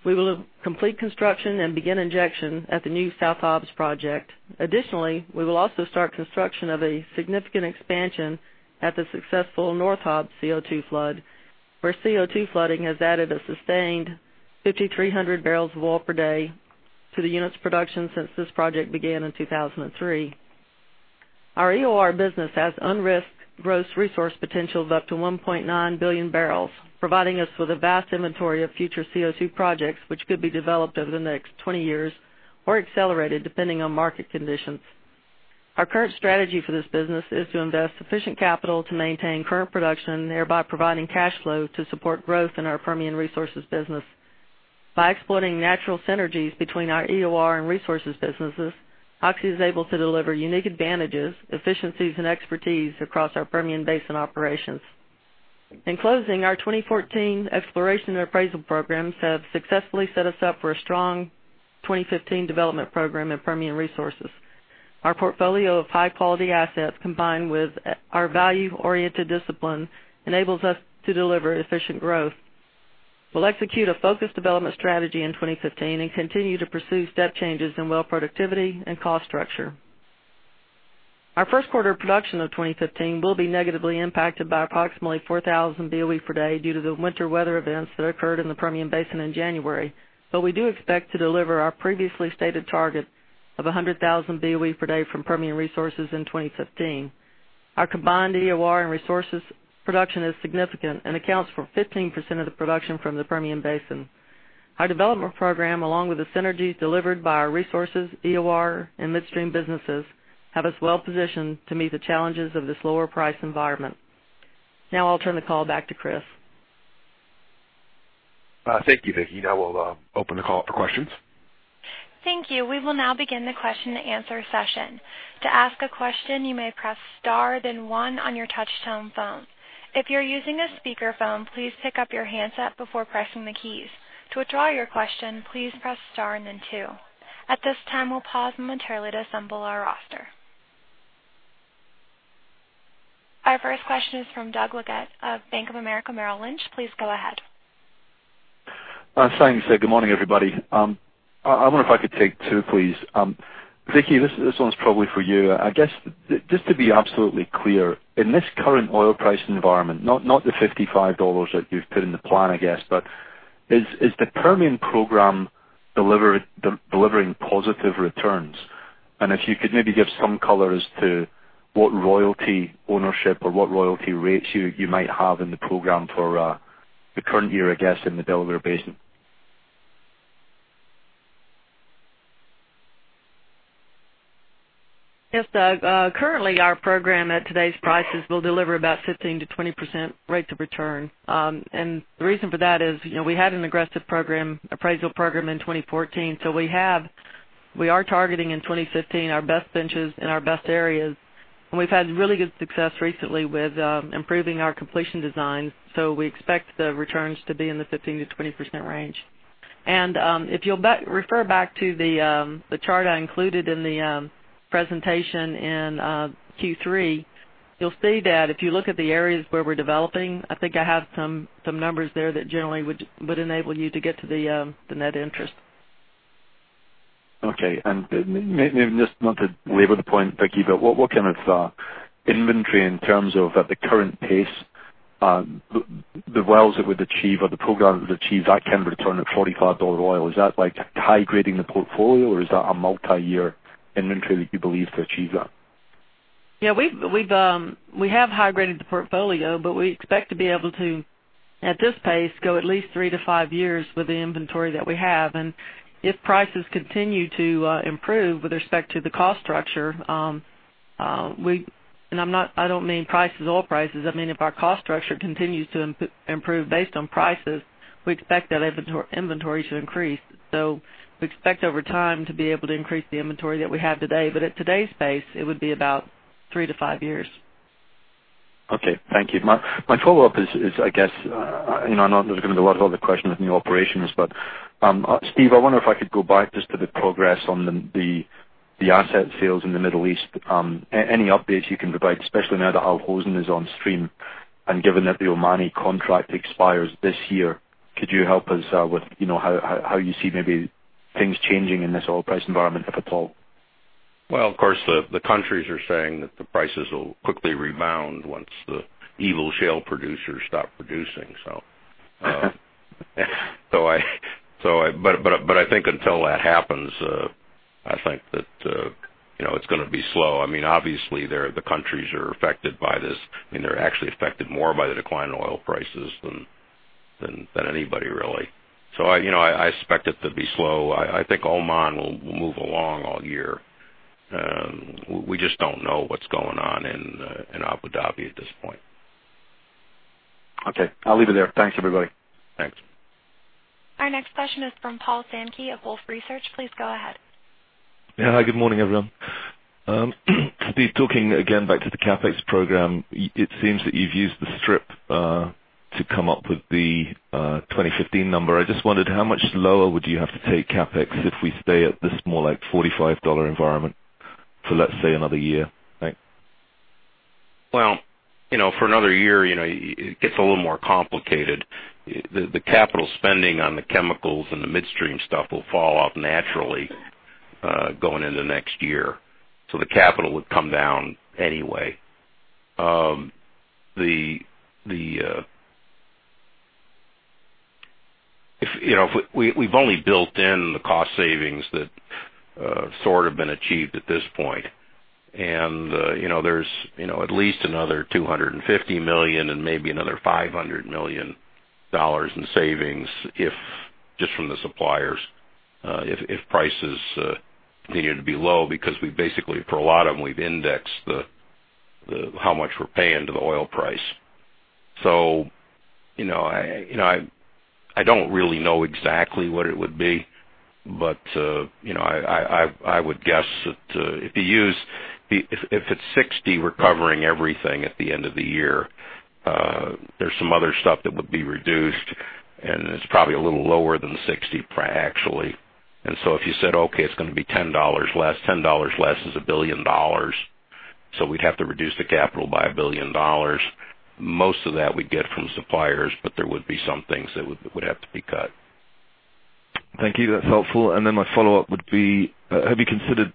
We will complete construction and begin injection at the new South Hobbs project. Additionally, we will also start construction of a significant expansion at the successful North Hobbs CO2 flood, where CO2 flooding has added a sustained 5,300 barrels of oil per day to the unit's production since this project began in 2003. Our EOR business has unrisked gross resource potentials of up to 1.9 billion barrels, providing us with a vast inventory of future CO2 projects, which could be developed over the next 20 years or accelerated depending on market conditions. Our current strategy for this business is to invest sufficient capital to maintain current production, thereby providing cash flow to support growth in our Permian Resources business. By exploiting natural synergies between our EOR and Resources businesses, Oxy is able to deliver unique advantages, efficiencies, and expertise across our Permian Basin operations. In closing, our 2014 exploration and appraisal programs have successfully set us up for a strong 2015 development program in Permian Resources. Our portfolio of high-quality assets, combined with our value-oriented discipline, enables us to deliver efficient growth. We'll execute a focused development strategy in 2015 and continue to pursue step changes in well productivity and cost structure. Our first quarter production of 2015 will be negatively impacted by approximately 4,000 BOE per day due to the winter weather events that occurred in the Permian Basin in January. We do expect to deliver our previously stated target of 100,000 BOE per day from Permian Resources in 2015. Our combined EOR and Resources production is significant and accounts for 15% of the production from the Permian Basin. Our development program, along with the synergies delivered by our Resources, EOR, and Midstream businesses, have us well-positioned to meet the challenges of this lower price environment. Now, I'll turn the call back to Chris. Thank you, Vicki. We'll open the call up for questions. Thank you. We will now begin the question and answer session. To ask a question, you may press star, then one on your touchtone phone. If you're using a speakerphone, please pick up your handset before pressing the keys. To withdraw your question, please press star and then two. At this time, we'll pause momentarily to assemble our roster. Our first question is from Doug Leggate of Bank of America Merrill Lynch. Please go ahead. Thanks. Good morning, everybody. I wonder if I could take two, please. Vicki, this one's probably for you. I guess, just to be absolutely clear, in this current oil price environment, not the $55 that you've put in the plan, I guess, is the Permian program delivering positive returns? If you could maybe give some color as to what royalty ownership or what royalty rates you might have in the program for the current year, I guess, in the Delaware Basin. Yes, Doug. Currently, our program at today's prices will deliver about 15%-20% rates of return. The reason for that is we had an aggressive appraisal program in 2014. We are targeting in 2015 our best benches in our best areas, and we've had really good success recently with improving our completion designs. We expect the returns to be in the 15%-20% range. If you'll refer back to the chart I included in the presentation in Q3, you'll see that if you look at the areas where we're developing, I think I have some numbers there that generally would enable you to get to the net interest. Okay. Maybe just not to labor the point, Vicki, what kind of inventory in terms of at the current pace, the wells that would achieve or the program that would achieve that kind of return at $45 oil. Is that high grading the portfolio, or is that a multi-year inventory that you believe to achieve that? Yeah. We have high graded the portfolio, we expect to be able to, at this pace, go at least three to five years with the inventory that we have. If prices continue to improve with respect to the cost structure I don't mean price as oil prices. I mean, if our cost structure continues to improve based on prices, we expect that inventory should increase. We expect over time to be able to increase the inventory that we have today. At today's pace, it would be about three to five years. Okay. Thank you. My follow-up is, I guess, I know there's going to be a lot of other questions on new operations, Steve, I wonder if I could go back just to the progress on the asset sales in the Middle East. Any updates you can provide, especially now that Al Hosn is on stream, given that the Omani contract expires this year, could you help us with how you see maybe things changing in this oil price environment, if at all? Well, of course, the countries are saying that the prices will quickly rebound once the evil shale producers stop producing. I think until that happens, I think that it's going to be slow. Obviously, the countries are affected by this, they're actually affected more by the decline in oil prices than anybody, really. I expect it to be slow. I think Oman will move along all year. We just don't know what's going on in Abu Dhabi at this point. Okay, I'll leave it there. Thanks, everybody. Thanks. Our next question is from Paul Sankey of Wolfe Research. Please go ahead. Yeah. Hi, good morning, everyone. Steve, talking again back to the CapEx program. It seems that you've used the strip to come up with the 2015 number. I just wondered how much lower would you have to take CapEx if we stay at this more like $45 environment for, let's say, another year? Well, for another year, it gets a little more complicated. The capital spending on the chemicals and the midstream stuff will fall off naturally going into next year. The capital would come down anyway. We've only built in the cost savings that sort have been achieved at this point. There's at least another $250 million and maybe another $500 million in savings just from the suppliers, if prices continue to be low, because we basically, for a lot of them, we've indexed how much we're paying to the oil price. I don't really know exactly what it would be, but I would guess that if it's $60, we're covering everything at the end of the year. There's some other stuff that would be reduced, and it's probably a little lower than $60, actually. If you said, okay, it's going to be $10 less, $10 less is $1 billion. We'd have to reduce the capital by $1 billion. Most of that we'd get from suppliers, but there would be some things that would have to be cut. Thank you. That's helpful. My follow-up would be, have you considered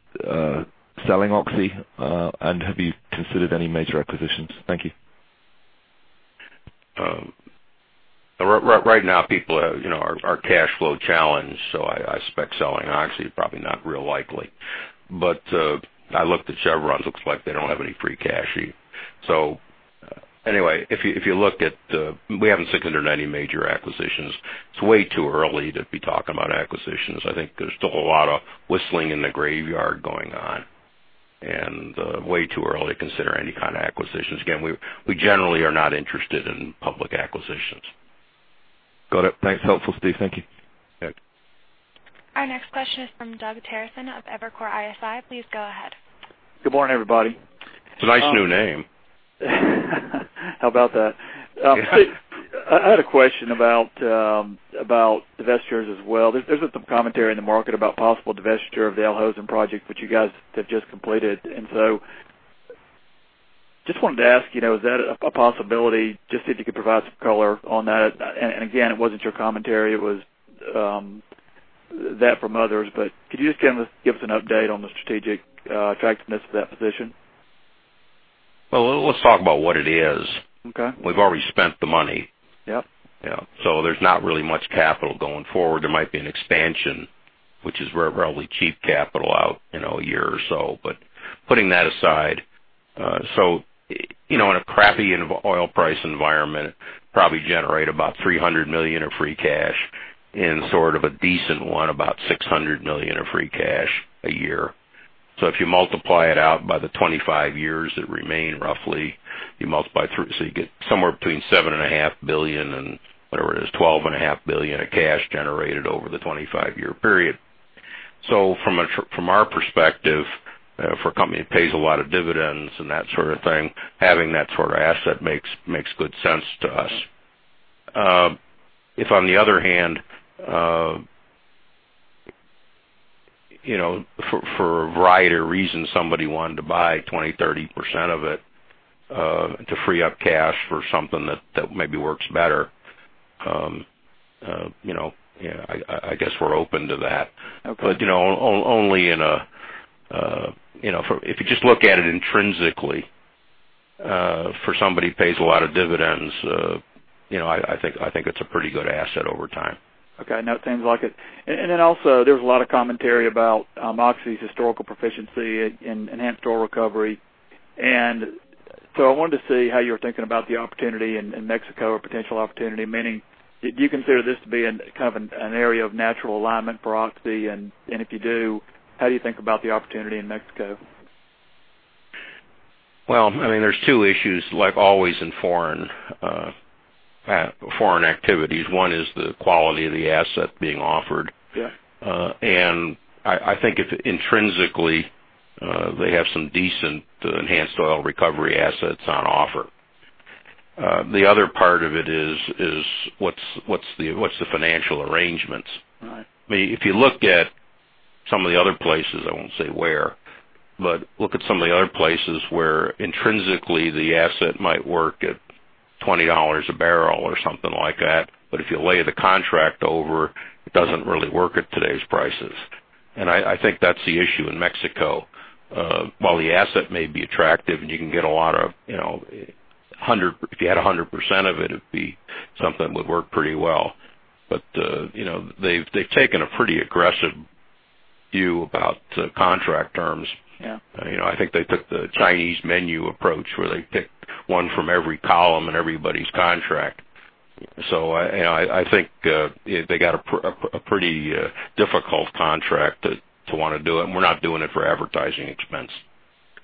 selling Oxy? Have you considered any major acquisitions? Thank you. Right now, people are cash flow challenged, so I expect selling Oxy is probably not real likely. I looked at Chevron. It looks like they don't have any free cash either. Anyway, we haven't considered any major acquisitions. It's way too early to be talking about acquisitions. I think there's still a lot of whistling in the graveyard going on, and way too early to consider any kind of acquisitions. Again, we generally are not interested in public acquisitions. Got it. Thanks. Helpful, Steve. Thank you. Yeah. Our next question is from Doug Terreson of Evercore ISI. Please go ahead. Good morning, everybody. It's a nice new name. How about that? Yeah. I had a question about divestitures as well. There's some commentary in the market about possible divestiture of the Al Hosn project, which you guys have just completed. Just wanted to ask, is that a possibility? Just if you could provide some color on that. Again, it wasn't your commentary. It was that from others. Could you just give us an update on the strategic attractiveness of that position? Well, let's talk about what it is. Okay. We've already spent the money. Yep. Yeah. There's not really much capital going forward. There might be an expansion, which is probably cheap capital out a year or so. Putting that aside, in a crappy oil price environment, probably generate about $300 million of free cash. In sort of a decent one, about $600 million of free cash a year. If you multiply it out by the 25 years that remain, roughly, you multiply through, you get somewhere between $ seven and a half billion and whatever it is, $ 12 and a half billion of cash generated over the 25-year period. From our perspective, for a company that pays a lot of dividends and that sort of thing, having that sort of asset makes good sense to us. If on the other hand for a variety of reasons, somebody wanted to buy 20%, 30% of it to free up cash for something that maybe works better, I guess we're open to that. Okay. If you just look at it intrinsically, for somebody who pays a lot of dividends, I think it's a pretty good asset over time. Okay. No, it seems like it. Also, there's a lot of commentary about Oxy's historical proficiency in enhanced oil recovery. I wanted to see how you're thinking about the opportunity in Mexico, a potential opportunity, meaning do you consider this to be an area of natural alignment for Oxy? If you do, how do you think about the opportunity in Mexico? Well, there's two issues, like always in foreign activities. One is the quality of the asset being offered. Yeah. I think intrinsically, they have some decent enhanced oil recovery assets on offer. The other part of it is what's the financial arrangements? Right. If you look at some of the other places, I won't say where, look at some of the other places where intrinsically the asset might work at $20 a barrel or something like that. If you lay the contract over, it doesn't really work at today's prices. I think that's the issue in Mexico. While the asset may be attractive, and if you had 100% of it'd be something that would work pretty well. They've taken a pretty aggressive view about contract terms. Yeah. I think they took the Chinese menu approach, where they picked one from every column in everybody's contract. I think they got a pretty difficult contract to want to do it, and we're not doing it for advertising expense.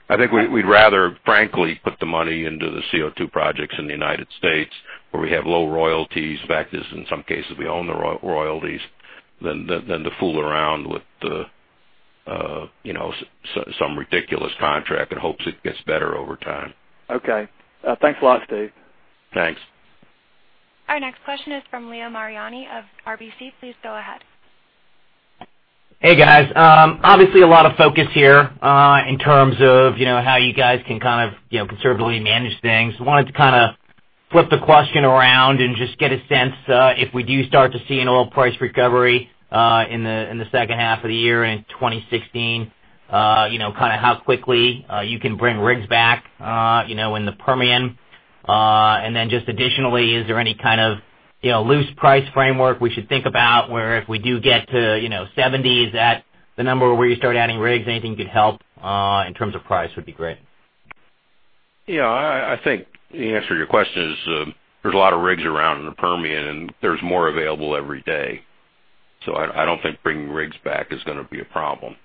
I think we'd rather, frankly, put the money into the CO2 projects in the U.S. where we have low royalties. In fact, in some cases, we own the royalties, than to fool around with some ridiculous contract in hopes it gets better over time. Okay. Thanks a lot, Steve. Thanks. Our next question is from Leo Mariani of RBC. Please go ahead. Hey, guys. Obviously, a lot of focus here, in terms of how you guys can conservatively manage things. I wanted to flip the question around and just get a sense, if we do start to see an oil price recovery in the second half of the year and in 2016, how quickly you can bring rigs back in the Permian. Then just additionally, is there any kind of loose price framework we should think about where if we do get to $70, is that the number where you start adding rigs? Anything you could help in terms of price would be great. Yeah. I think the answer to your question is there's a lot of rigs around in the Permian, there's more available every day. I don't think bringing rigs back is going to be a problem.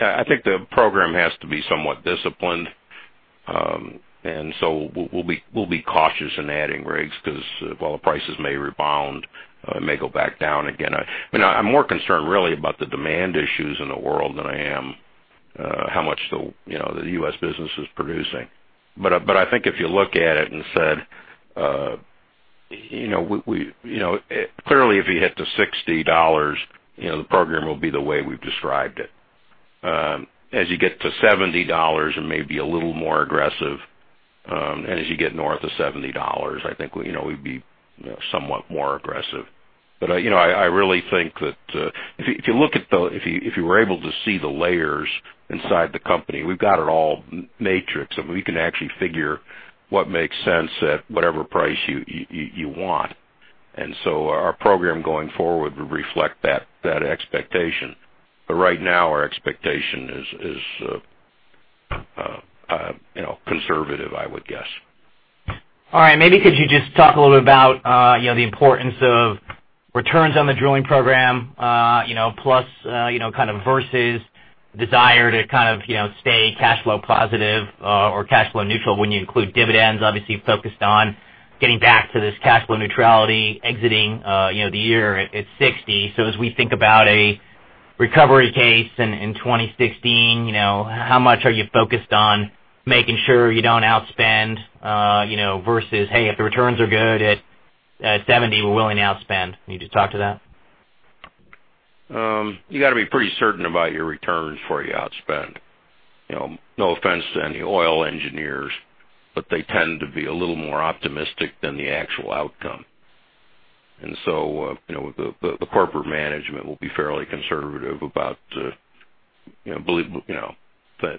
I think the program has to be somewhat disciplined, so we'll be cautious in adding rigs because while the prices may rebound, it may go back down again. I'm more concerned really about the demand issues in the world than I am how much the U.S. business is producing. I think if you look at it and said, clearly if you hit the $60, the program will be the way we've described it. As you get to $70, it may be a little more aggressive, as you get north of $70, I think we'd be somewhat more aggressive. I really think that if you were able to see the layers inside the company, we've got it all matrixed, we can actually figure what makes sense at whatever price you want. Our program going forward would reflect that expectation. Right now, our expectation is conservative, I would guess. All right. Maybe could you just talk a little bit about the importance of returns on the drilling program, plus versus desire to stay cash flow positive or cash flow neutral when you include dividends? Obviously, you're focused on getting back to this cash flow neutrality exiting the year at $60. As we think about a recovery case in 2016, how much are you focused on making sure you don't outspend, versus, hey, if the returns are good at $70, we're willing to outspend. Can you just talk to that? You've got to be pretty certain about your returns before you outspend. No offense to any oil engineers, but they tend to be a little more optimistic than the actual outcome. The corporate management will be fairly conservative about that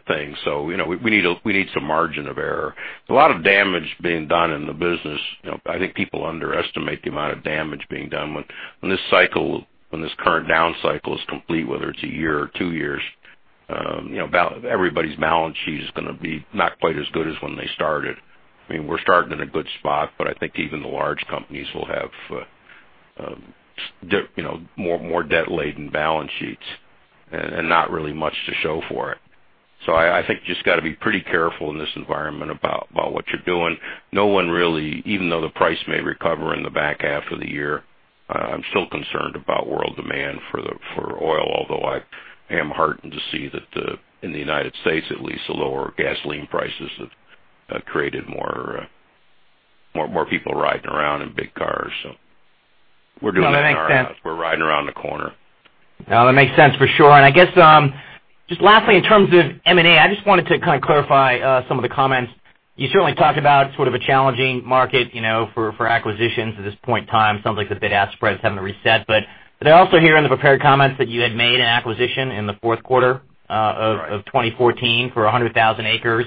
thing. We need some margin of error. There's a lot of damage being done in the business. I think people underestimate the amount of damage being done. When this current down cycle is complete, whether it's a year or two years, everybody's balance sheet is going to be not quite as good as when they started. We're starting in a good spot, but I think even the large companies will have more debt-laden balance sheets and not really much to show for it. I think you've just got to be pretty careful in this environment about what you're doing. Even though the price may recover in the back half of the year, I'm still concerned about world demand for oil, although I am heartened to see that in the U.S., at least, the lower gasoline prices have created more people riding around in big cars, so we're doing it in our house. No, that makes sense. We're riding around the corner. No, that makes sense for sure. I guess, just lastly, in terms of M&A, I just wanted to clarify some of the comments. You certainly talked about a challenging market for acquisitions at this point in time. It sounds like the bid-ask spreads having to reset. But I also hear in the prepared comments that you had made an acquisition in the fourth quarter. Right Of 2014 for 100,000 acres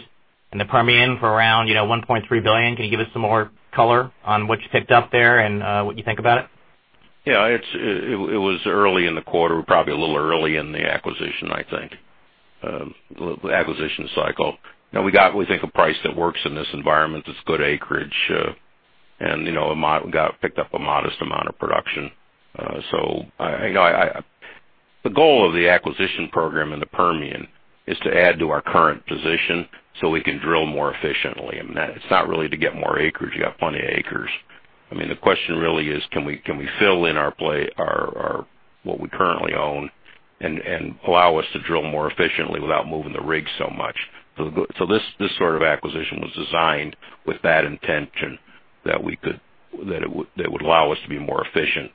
in the Permian for around $1.3 billion. Can you give us some more color on what you picked up there and what you think about it? Yeah. It was early in the quarter, probably a little early in the acquisition, I think, the acquisition cycle. We got, we think, a price that works in this environment. It's good acreage, and we picked up a modest amount of production. The goal of the acquisition program in the Permian is to add to our current position so we can drill more efficiently, and that it's not really to get more acreage. You got plenty of acres. The question really is, can we fill in what we currently own and allow us to drill more efficiently without moving the rig so much? This sort of acquisition was designed with that intention that it would allow us to be more efficient.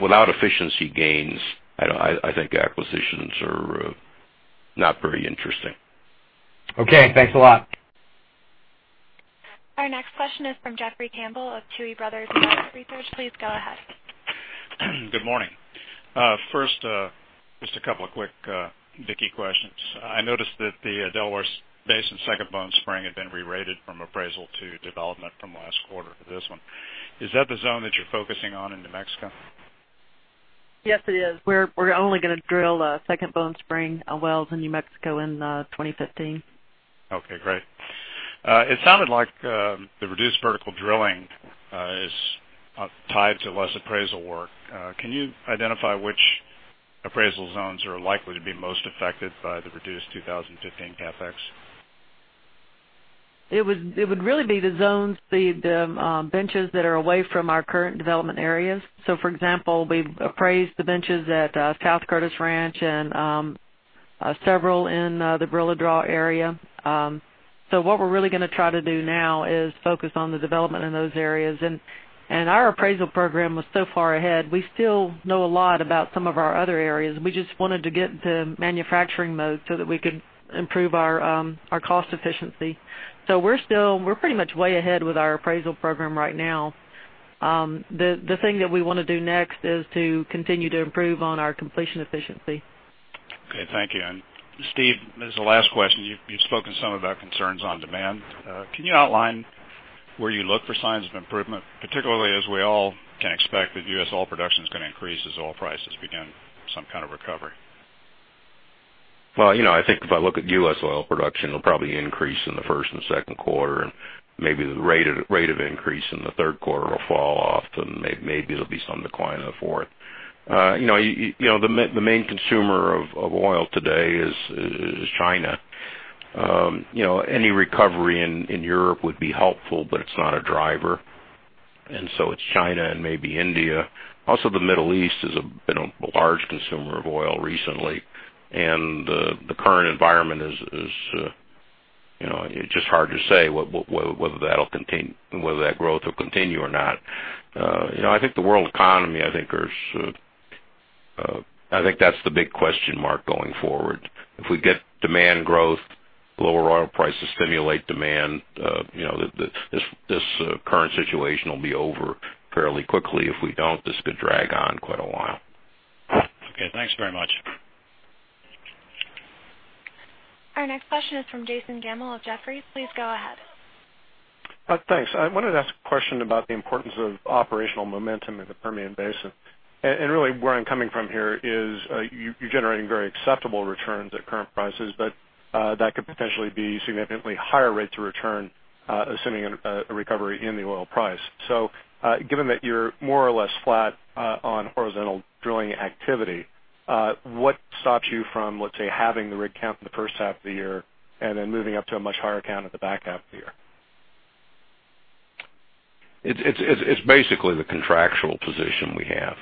Without efficiency gains, I think acquisitions are not very interesting. Okay. Thanks a lot. Our next question is from Jeffrey Campbell of Tuohy Brothers Investment Research. Please go ahead. Good morning. First, just a couple of quick Vicki questions. I noticed that the Delaware Basin Second Bone Spring had been rerated from appraisal to development from last quarter to this one. Is that the zone that you're focusing on in New Mexico? Yes, it is. We're only going to drill Second Bone Spring wells in New Mexico in 2015. Okay, great. It sounded like the reduced vertical drilling is tied to less appraisal work. Can you identify which appraisal zones are likely to be most affected by the reduced 2015 CapEx? It would really be the zones, the benches that are away from our current development areas. For example, we've appraised the benches at South Curtis Ranch and several in the Barilla Draw area. What we're really going to try to do now is focus on the development in those areas. Our appraisal program was so far ahead, we still know a lot about some of our other areas, and we just wanted to get into manufacturing mode so that we could improve our cost efficiency. We're pretty much way ahead with our appraisal program right now. The thing that we want to do next is to continue to improve on our completion efficiency. Okay. Thank you. Steve, this is the last question. You've spoken some about concerns on demand. Can you outline where you look for signs of improvement, particularly as we all can expect that U.S. oil production is going to increase as oil prices begin some kind of recovery? Well, I think if I look at U.S. oil production, it'll probably increase in the first and second quarter, and maybe the rate of increase in the third quarter will fall off, and maybe there'll be some decline in the fourth. The main consumer of oil today is China. Any recovery in Europe would be helpful, but it's not a driver, and so it's China and maybe India. Also, the Middle East has been a large consumer of oil recently, and the current environment is just hard to say whether that growth will continue or not. I think the world economy, I think that's the big question mark going forward. If we get demand growth, lower oil prices stimulate demand, this current situation will be over fairly quickly. If we don't, this could drag on quite a while. Okay, thanks very much. Our next question is from Jason Gammel of Jefferies. Please go ahead. Thanks. I wanted to ask a question about the importance of operational momentum in the Permian Basin. Really where I'm coming from here is, you're generating very acceptable returns at current prices, but that could potentially be significantly higher rates of return, assuming a recovery in the oil price. Given that you're more or less flat on horizontal drilling activity, what stops you from, let's say, halving the rig count in the first half of the year and then moving up to a much higher count at the back half of the year? It's basically the contractual position we have.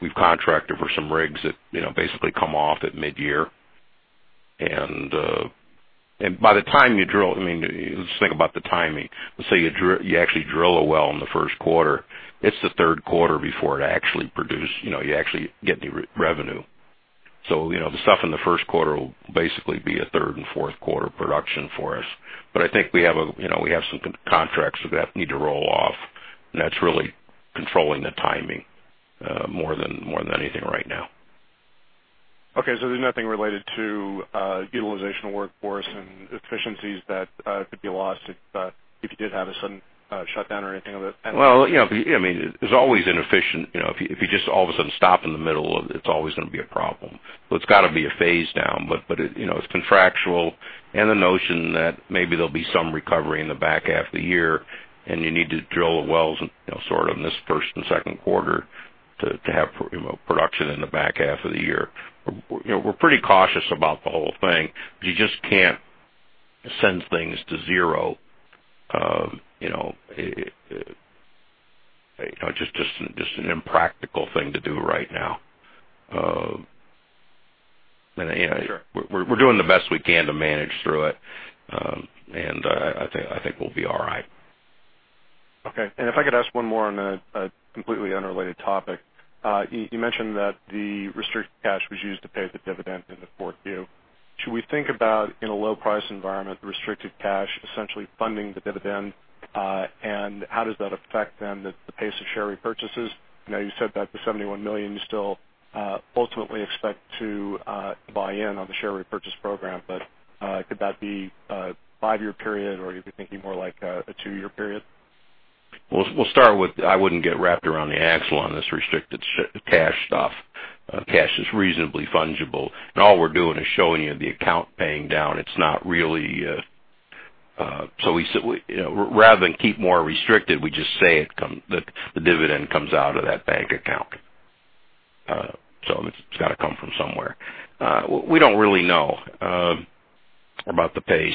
We've contracted for some rigs that basically come off at mid-year. By the time you drill, let's think about the timing. Let's say you actually drill a well in the first quarter, it's the third quarter before it'll actually produce, you actually get the revenue. The stuff in the first quarter will basically be a third and fourth quarter production for us. I think we have some contracts that need to roll off, and that's really controlling the timing more than anything right now. Okay, there's nothing related to utilization of workforce and efficiencies that could be lost if you did have a sudden shutdown or anything of that kind? Well, there's always if you just all of a sudden stop in the middle, it's always going to be a problem. It's got to be a phase down. It's contractual, and the notion that maybe there'll be some recovery in the back half of the year, and you need to drill the wells sort of in this first and second quarter to have production in the back half of the year. We're pretty cautious about the whole thing, but you just can't send things to zero. It's just an impractical thing to do right now. Sure. We're doing the best we can to manage through it, and I think we'll be all right. Okay. If I could ask one more on a completely unrelated topic. You mentioned that the restricted cash was used to pay the dividend in the 4Q. Should we think about, in a low price environment, the restricted cash essentially funding the dividend? How does that affect then the pace of share repurchases? I know you said that the $71 million you still ultimately expect to buy in on the share repurchase program, but could that be a five-year period, or are you thinking more like a two-year period? I wouldn't get wrapped around the axle on this restricted cash stuff. Cash is reasonably fungible, and all we're doing is showing you the account paying down. Rather than keep more restricted, we just say it, the dividend comes out of that bank account. It's got to come from somewhere. We don't really know about the pace.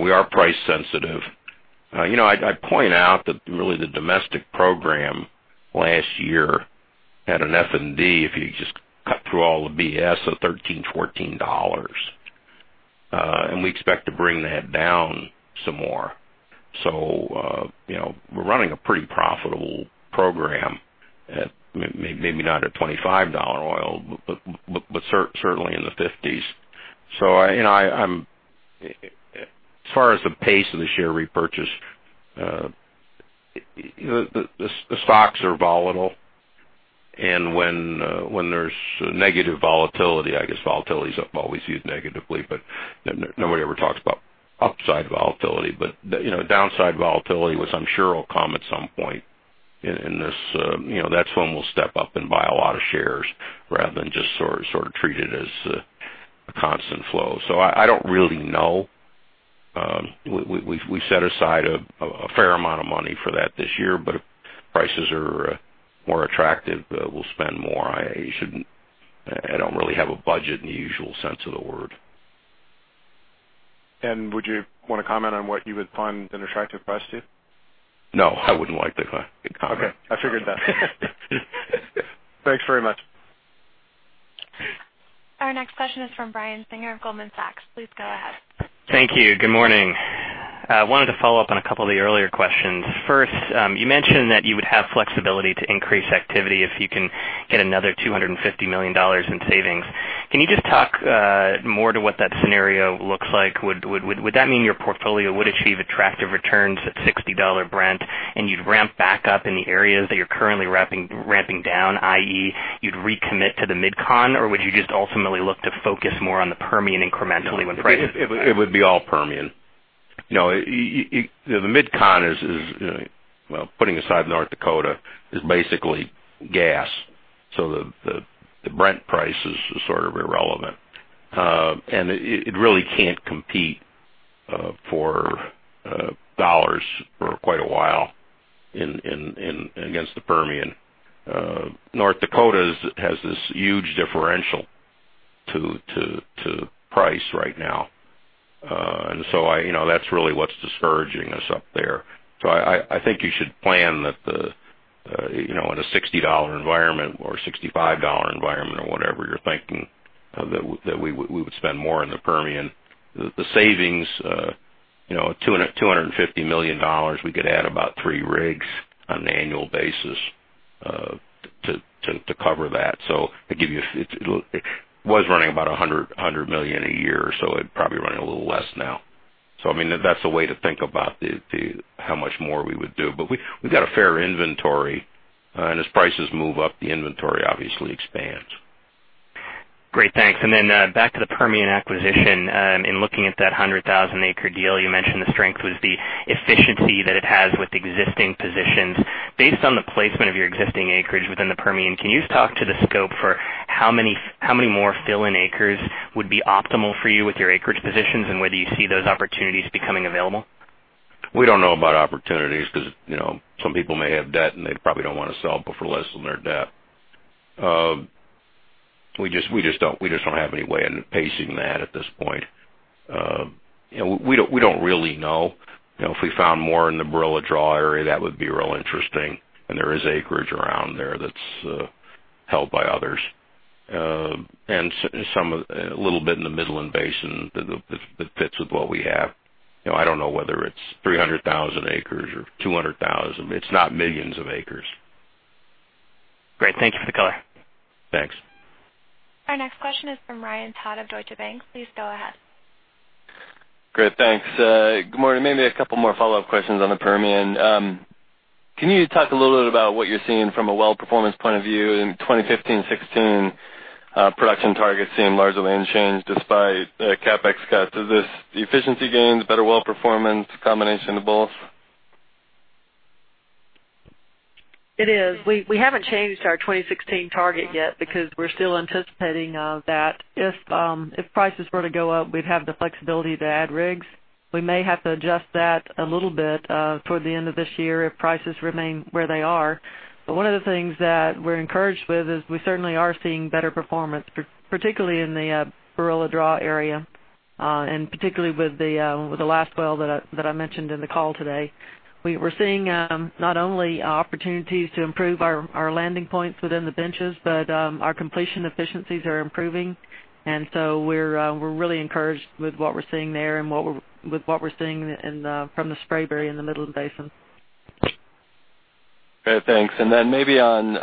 We are price sensitive. I'd point out that really the domestic program last year had an F&D, if you just cut through all the BS, of $13, $14. We expect to bring that down some more. We're running a pretty profitable program at maybe not at $25 oil, but certainly in the 50s. As far as the pace of the share repurchase, the stocks are volatile, and when there's negative volatility, I guess volatility's always used negatively, but nobody ever talks about upside volatility. Downside volatility, which I'm sure will come at some point in this, that's when we'll step up and buy a lot of shares rather than just sort of treat it as a constant flow. I don't really know. We've set aside a fair amount of money for that this year, but if prices are more attractive, we'll spend more. I don't really have a budget in the usual sense of the word. Would you want to comment on what you would find an attractive price to? No, I wouldn't like to comment. Okay. I figured that. Thanks very much. Our next question is from Brian Singer of Goldman Sachs. Please go ahead. Thank you. Good morning. I wanted to follow up on a couple of the earlier questions. First, you mentioned that you would have flexibility to increase activity if you can get another $250 million in savings. Can you just talk more to what that scenario looks like? Would that mean your portfolio would achieve attractive returns at $60 Brent and you'd ramp back up in the areas that you're currently ramping down, i.e., you'd recommit to the MidCon? Or would you just ultimately look to focus more on the Permian incrementally when prices It would be all Permian. The MidCon is, well, putting aside North Dakota, is basically gas. The Brent price is sort of irrelevant. It really can't compete for dollars for quite a while against the Permian. North Dakota has this huge differential to price right now. That's really what's discouraging us up there. I think you should plan that in a $60 environment or $65 environment or whatever you're thinking, that we would spend more in the Permian. The savings, $250 million, we could add about three rigs on an annual basis to cover that. It was running about $100 million a year, so it'd probably running a little less now. I mean, that's a way to think about how much more we would do. We've got a fair inventory, and as prices move up, the inventory obviously expands. Great. Thanks. Back to the Permian acquisition. In looking at that 100,000-acre deal, you mentioned the strength was the efficiency that it has with existing positions. Based on the placement of your existing acreage within the Permian, can you just talk to the scope for how many more fill-in acres would be optimal for you with your acreage positions, and whether you see those opportunities becoming available? We don't know about opportunities because some people may have debt, and they probably don't want to sell it for less than their debt. We just don't have any way of pacing that at this point. We don't really know. If we found more in the Barilla Draw area, that would be real interesting, and there is acreage around there that's held by others. A little bit in the Midland Basin that fits with what we have. I don't know whether it's 300,000 acres or 200,000. It's not millions of acres. Great. Thank you for the color. Thanks. Our next question is from Ryan Todd of Deutsche Bank. Please go ahead. Great, thanks. Good morning. Maybe a couple more follow-up questions on the Permian. Can you talk a little bit about what you're seeing from a well performance point of view in 2015 and 2016 production targets staying largely unchanged despite the CapEx cuts? Is this the efficiency gains, better well performance, combination of both? It is. We haven't changed our 2016 target yet because we're still anticipating that if prices were to go up, we'd have the flexibility to add rigs. We may have to adjust that a little bit toward the end of this year if prices remain where they are. One of the things that we're encouraged with is we certainly are seeing better performance, particularly in the Barilla Draw area, and particularly with the last well that I mentioned in the call today. We're seeing not only opportunities to improve our landing points within the benches, but our completion efficiencies are improving. We're really encouraged with what we're seeing there and with what we're seeing from the Spraberry in the Midland Basin. Great. Thanks. Maybe on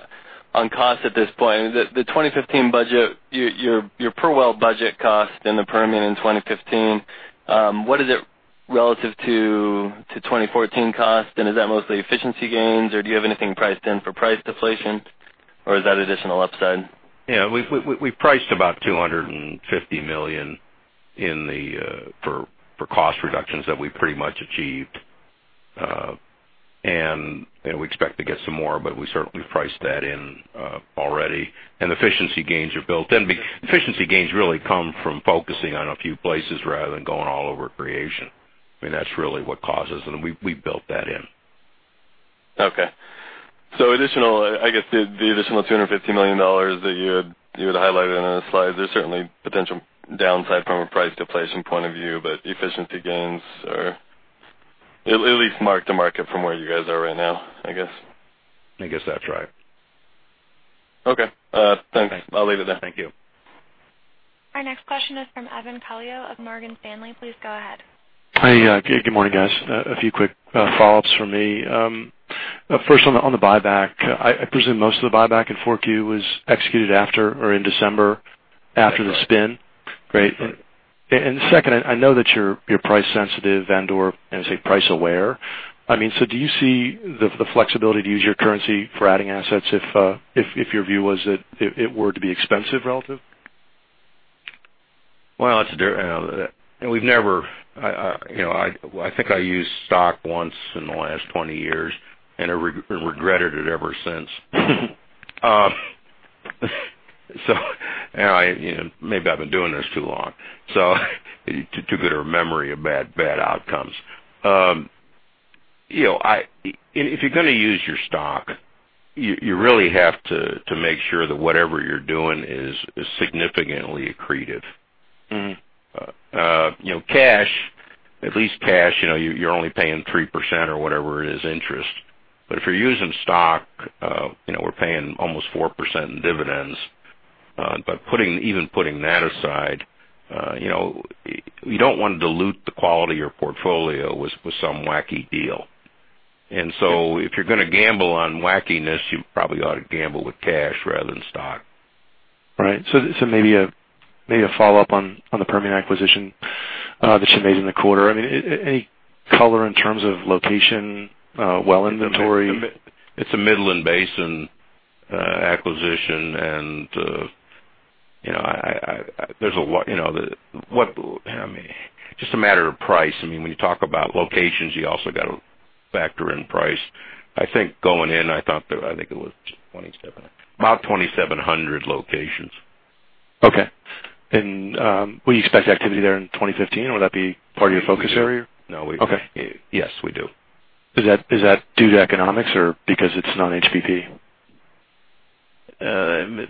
cost at this point, the 2015 budget, your per well budget cost in the Permian in 2015, what is it relative to 2014 cost, and is that mostly efficiency gains, or do you have anything priced in for price deflation? Is that additional upside? Yeah, we priced about $250 million for cost reductions that we pretty much achieved. We expect to get some more, but we certainly priced that in already. Efficiency gains are built in. Efficiency gains really come from focusing on a few places rather than going all over creation. That's really what causes them, and we built that in. Okay. I guess the additional $250 million that you had highlighted on the slide, there's certainly potential downside from a price deflation point of view, but efficiency gains are at least mark-to-market from where you guys are right now, I guess. I guess that's right. Okay. Thanks. I'll leave it there. Thank you. Our next question is from Evan Calio of Morgan Stanley. Please go ahead. Hi. Good morning, guys. A few quick follow-ups from me. First, on the buyback, I presume most of the buyback in 4Q was executed after or in December, after the spin. Great. Second, I know that you're price sensitive and/or price aware. Do you see the flexibility to use your currency for adding assets if your view was that it were to be expensive relative? Well, I think I used stock once in the last 20 years and have regretted it ever since. Maybe I've been doing this too long. Too good of a memory of bad outcomes. If you're going to use your stock, you really have to make sure that whatever you're doing is significantly accretive. At least cash, you're only paying 3% or whatever it is interest. If you're using stock, we're paying almost 4% in dividends. Even putting that aside, we don't want to dilute the quality of your portfolio with some wacky deal. If you're going to gamble on wackiness, you probably ought to gamble with cash rather than stock. Right. Maybe a follow-up on the Permian acquisition that you made in the quarter. Any color in terms of location, well inventory? It's a Midland Basin acquisition, and just a matter of price. When you talk about locations, you also got to factor in price. I think going in, I think it was about 2,700 locations. Okay. Will you expect activity there in 2015? Will that be part of your focus area? Yes, we do. Is that due to economics or because it's non-HBP?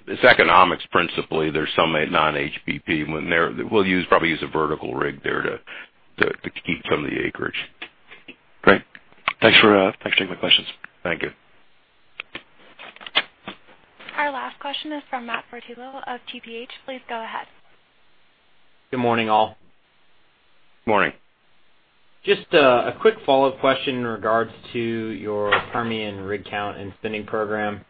It's economics, principally. There's some non-HBP. We'll probably use a vertical rig there to key some of the acreage. Great. Thanks for taking my questions. Thank you. Our last question is from Matt Portillo of TPH. Please go ahead. Good morning, all. Morning. Just a quick follow-up question in regards to your Permian rig count and spending program.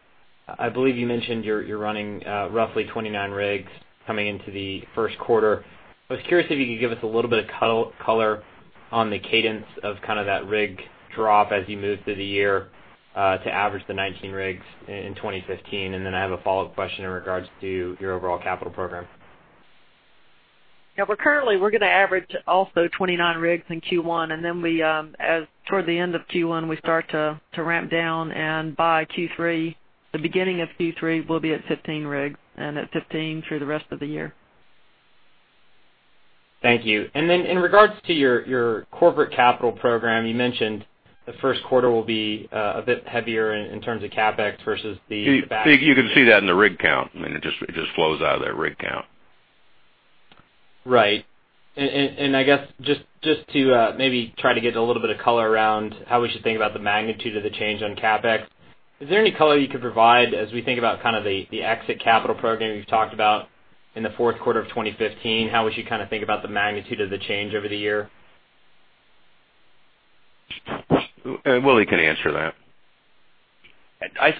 I believe you mentioned you're running roughly 29 rigs coming into the first quarter. I was curious if you could give us a little bit of color on the cadence of that rig drop as you move through the year to average the 19 rigs in 2015. Then I have a follow-up question in regards to your overall capital program. Yeah. Currently, we're going to average also 29 rigs in Q1, and then toward the end of Q1, we start to ramp down, and by Q3, the beginning of Q3, we'll be at 15 rigs, and at 15 through the rest of the year. Thank you. In regards to your corporate capital program, you mentioned the first quarter will be a bit heavier in terms of CapEx versus the back. You can see that in the rig count. It just flows out of that rig count. Right. I guess just to maybe try to get a little bit of color around how we should think about the magnitude of the change on CapEx, is there any color you could provide as we think about the exit capital program you've talked about in the fourth quarter of 2015? How we should think about the magnitude of the change over the year? Willie can answer that.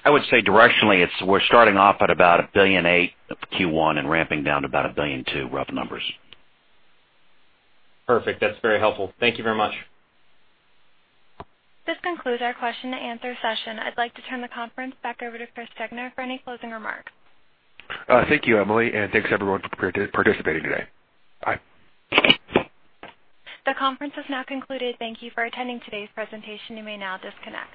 I would say directionally, we're starting off at about $1.8 billion Q1 and ramping down to about $1.2 billion, rough numbers. Perfect. That's very helpful. Thank you very much. This concludes our question and answer session. I'd like to turn the conference back over to Chris Degner for any closing remarks. Thank you, Emily, and thanks everyone for participating today. Bye. The conference has now concluded. Thank you for attending today's presentation. You may now disconnect.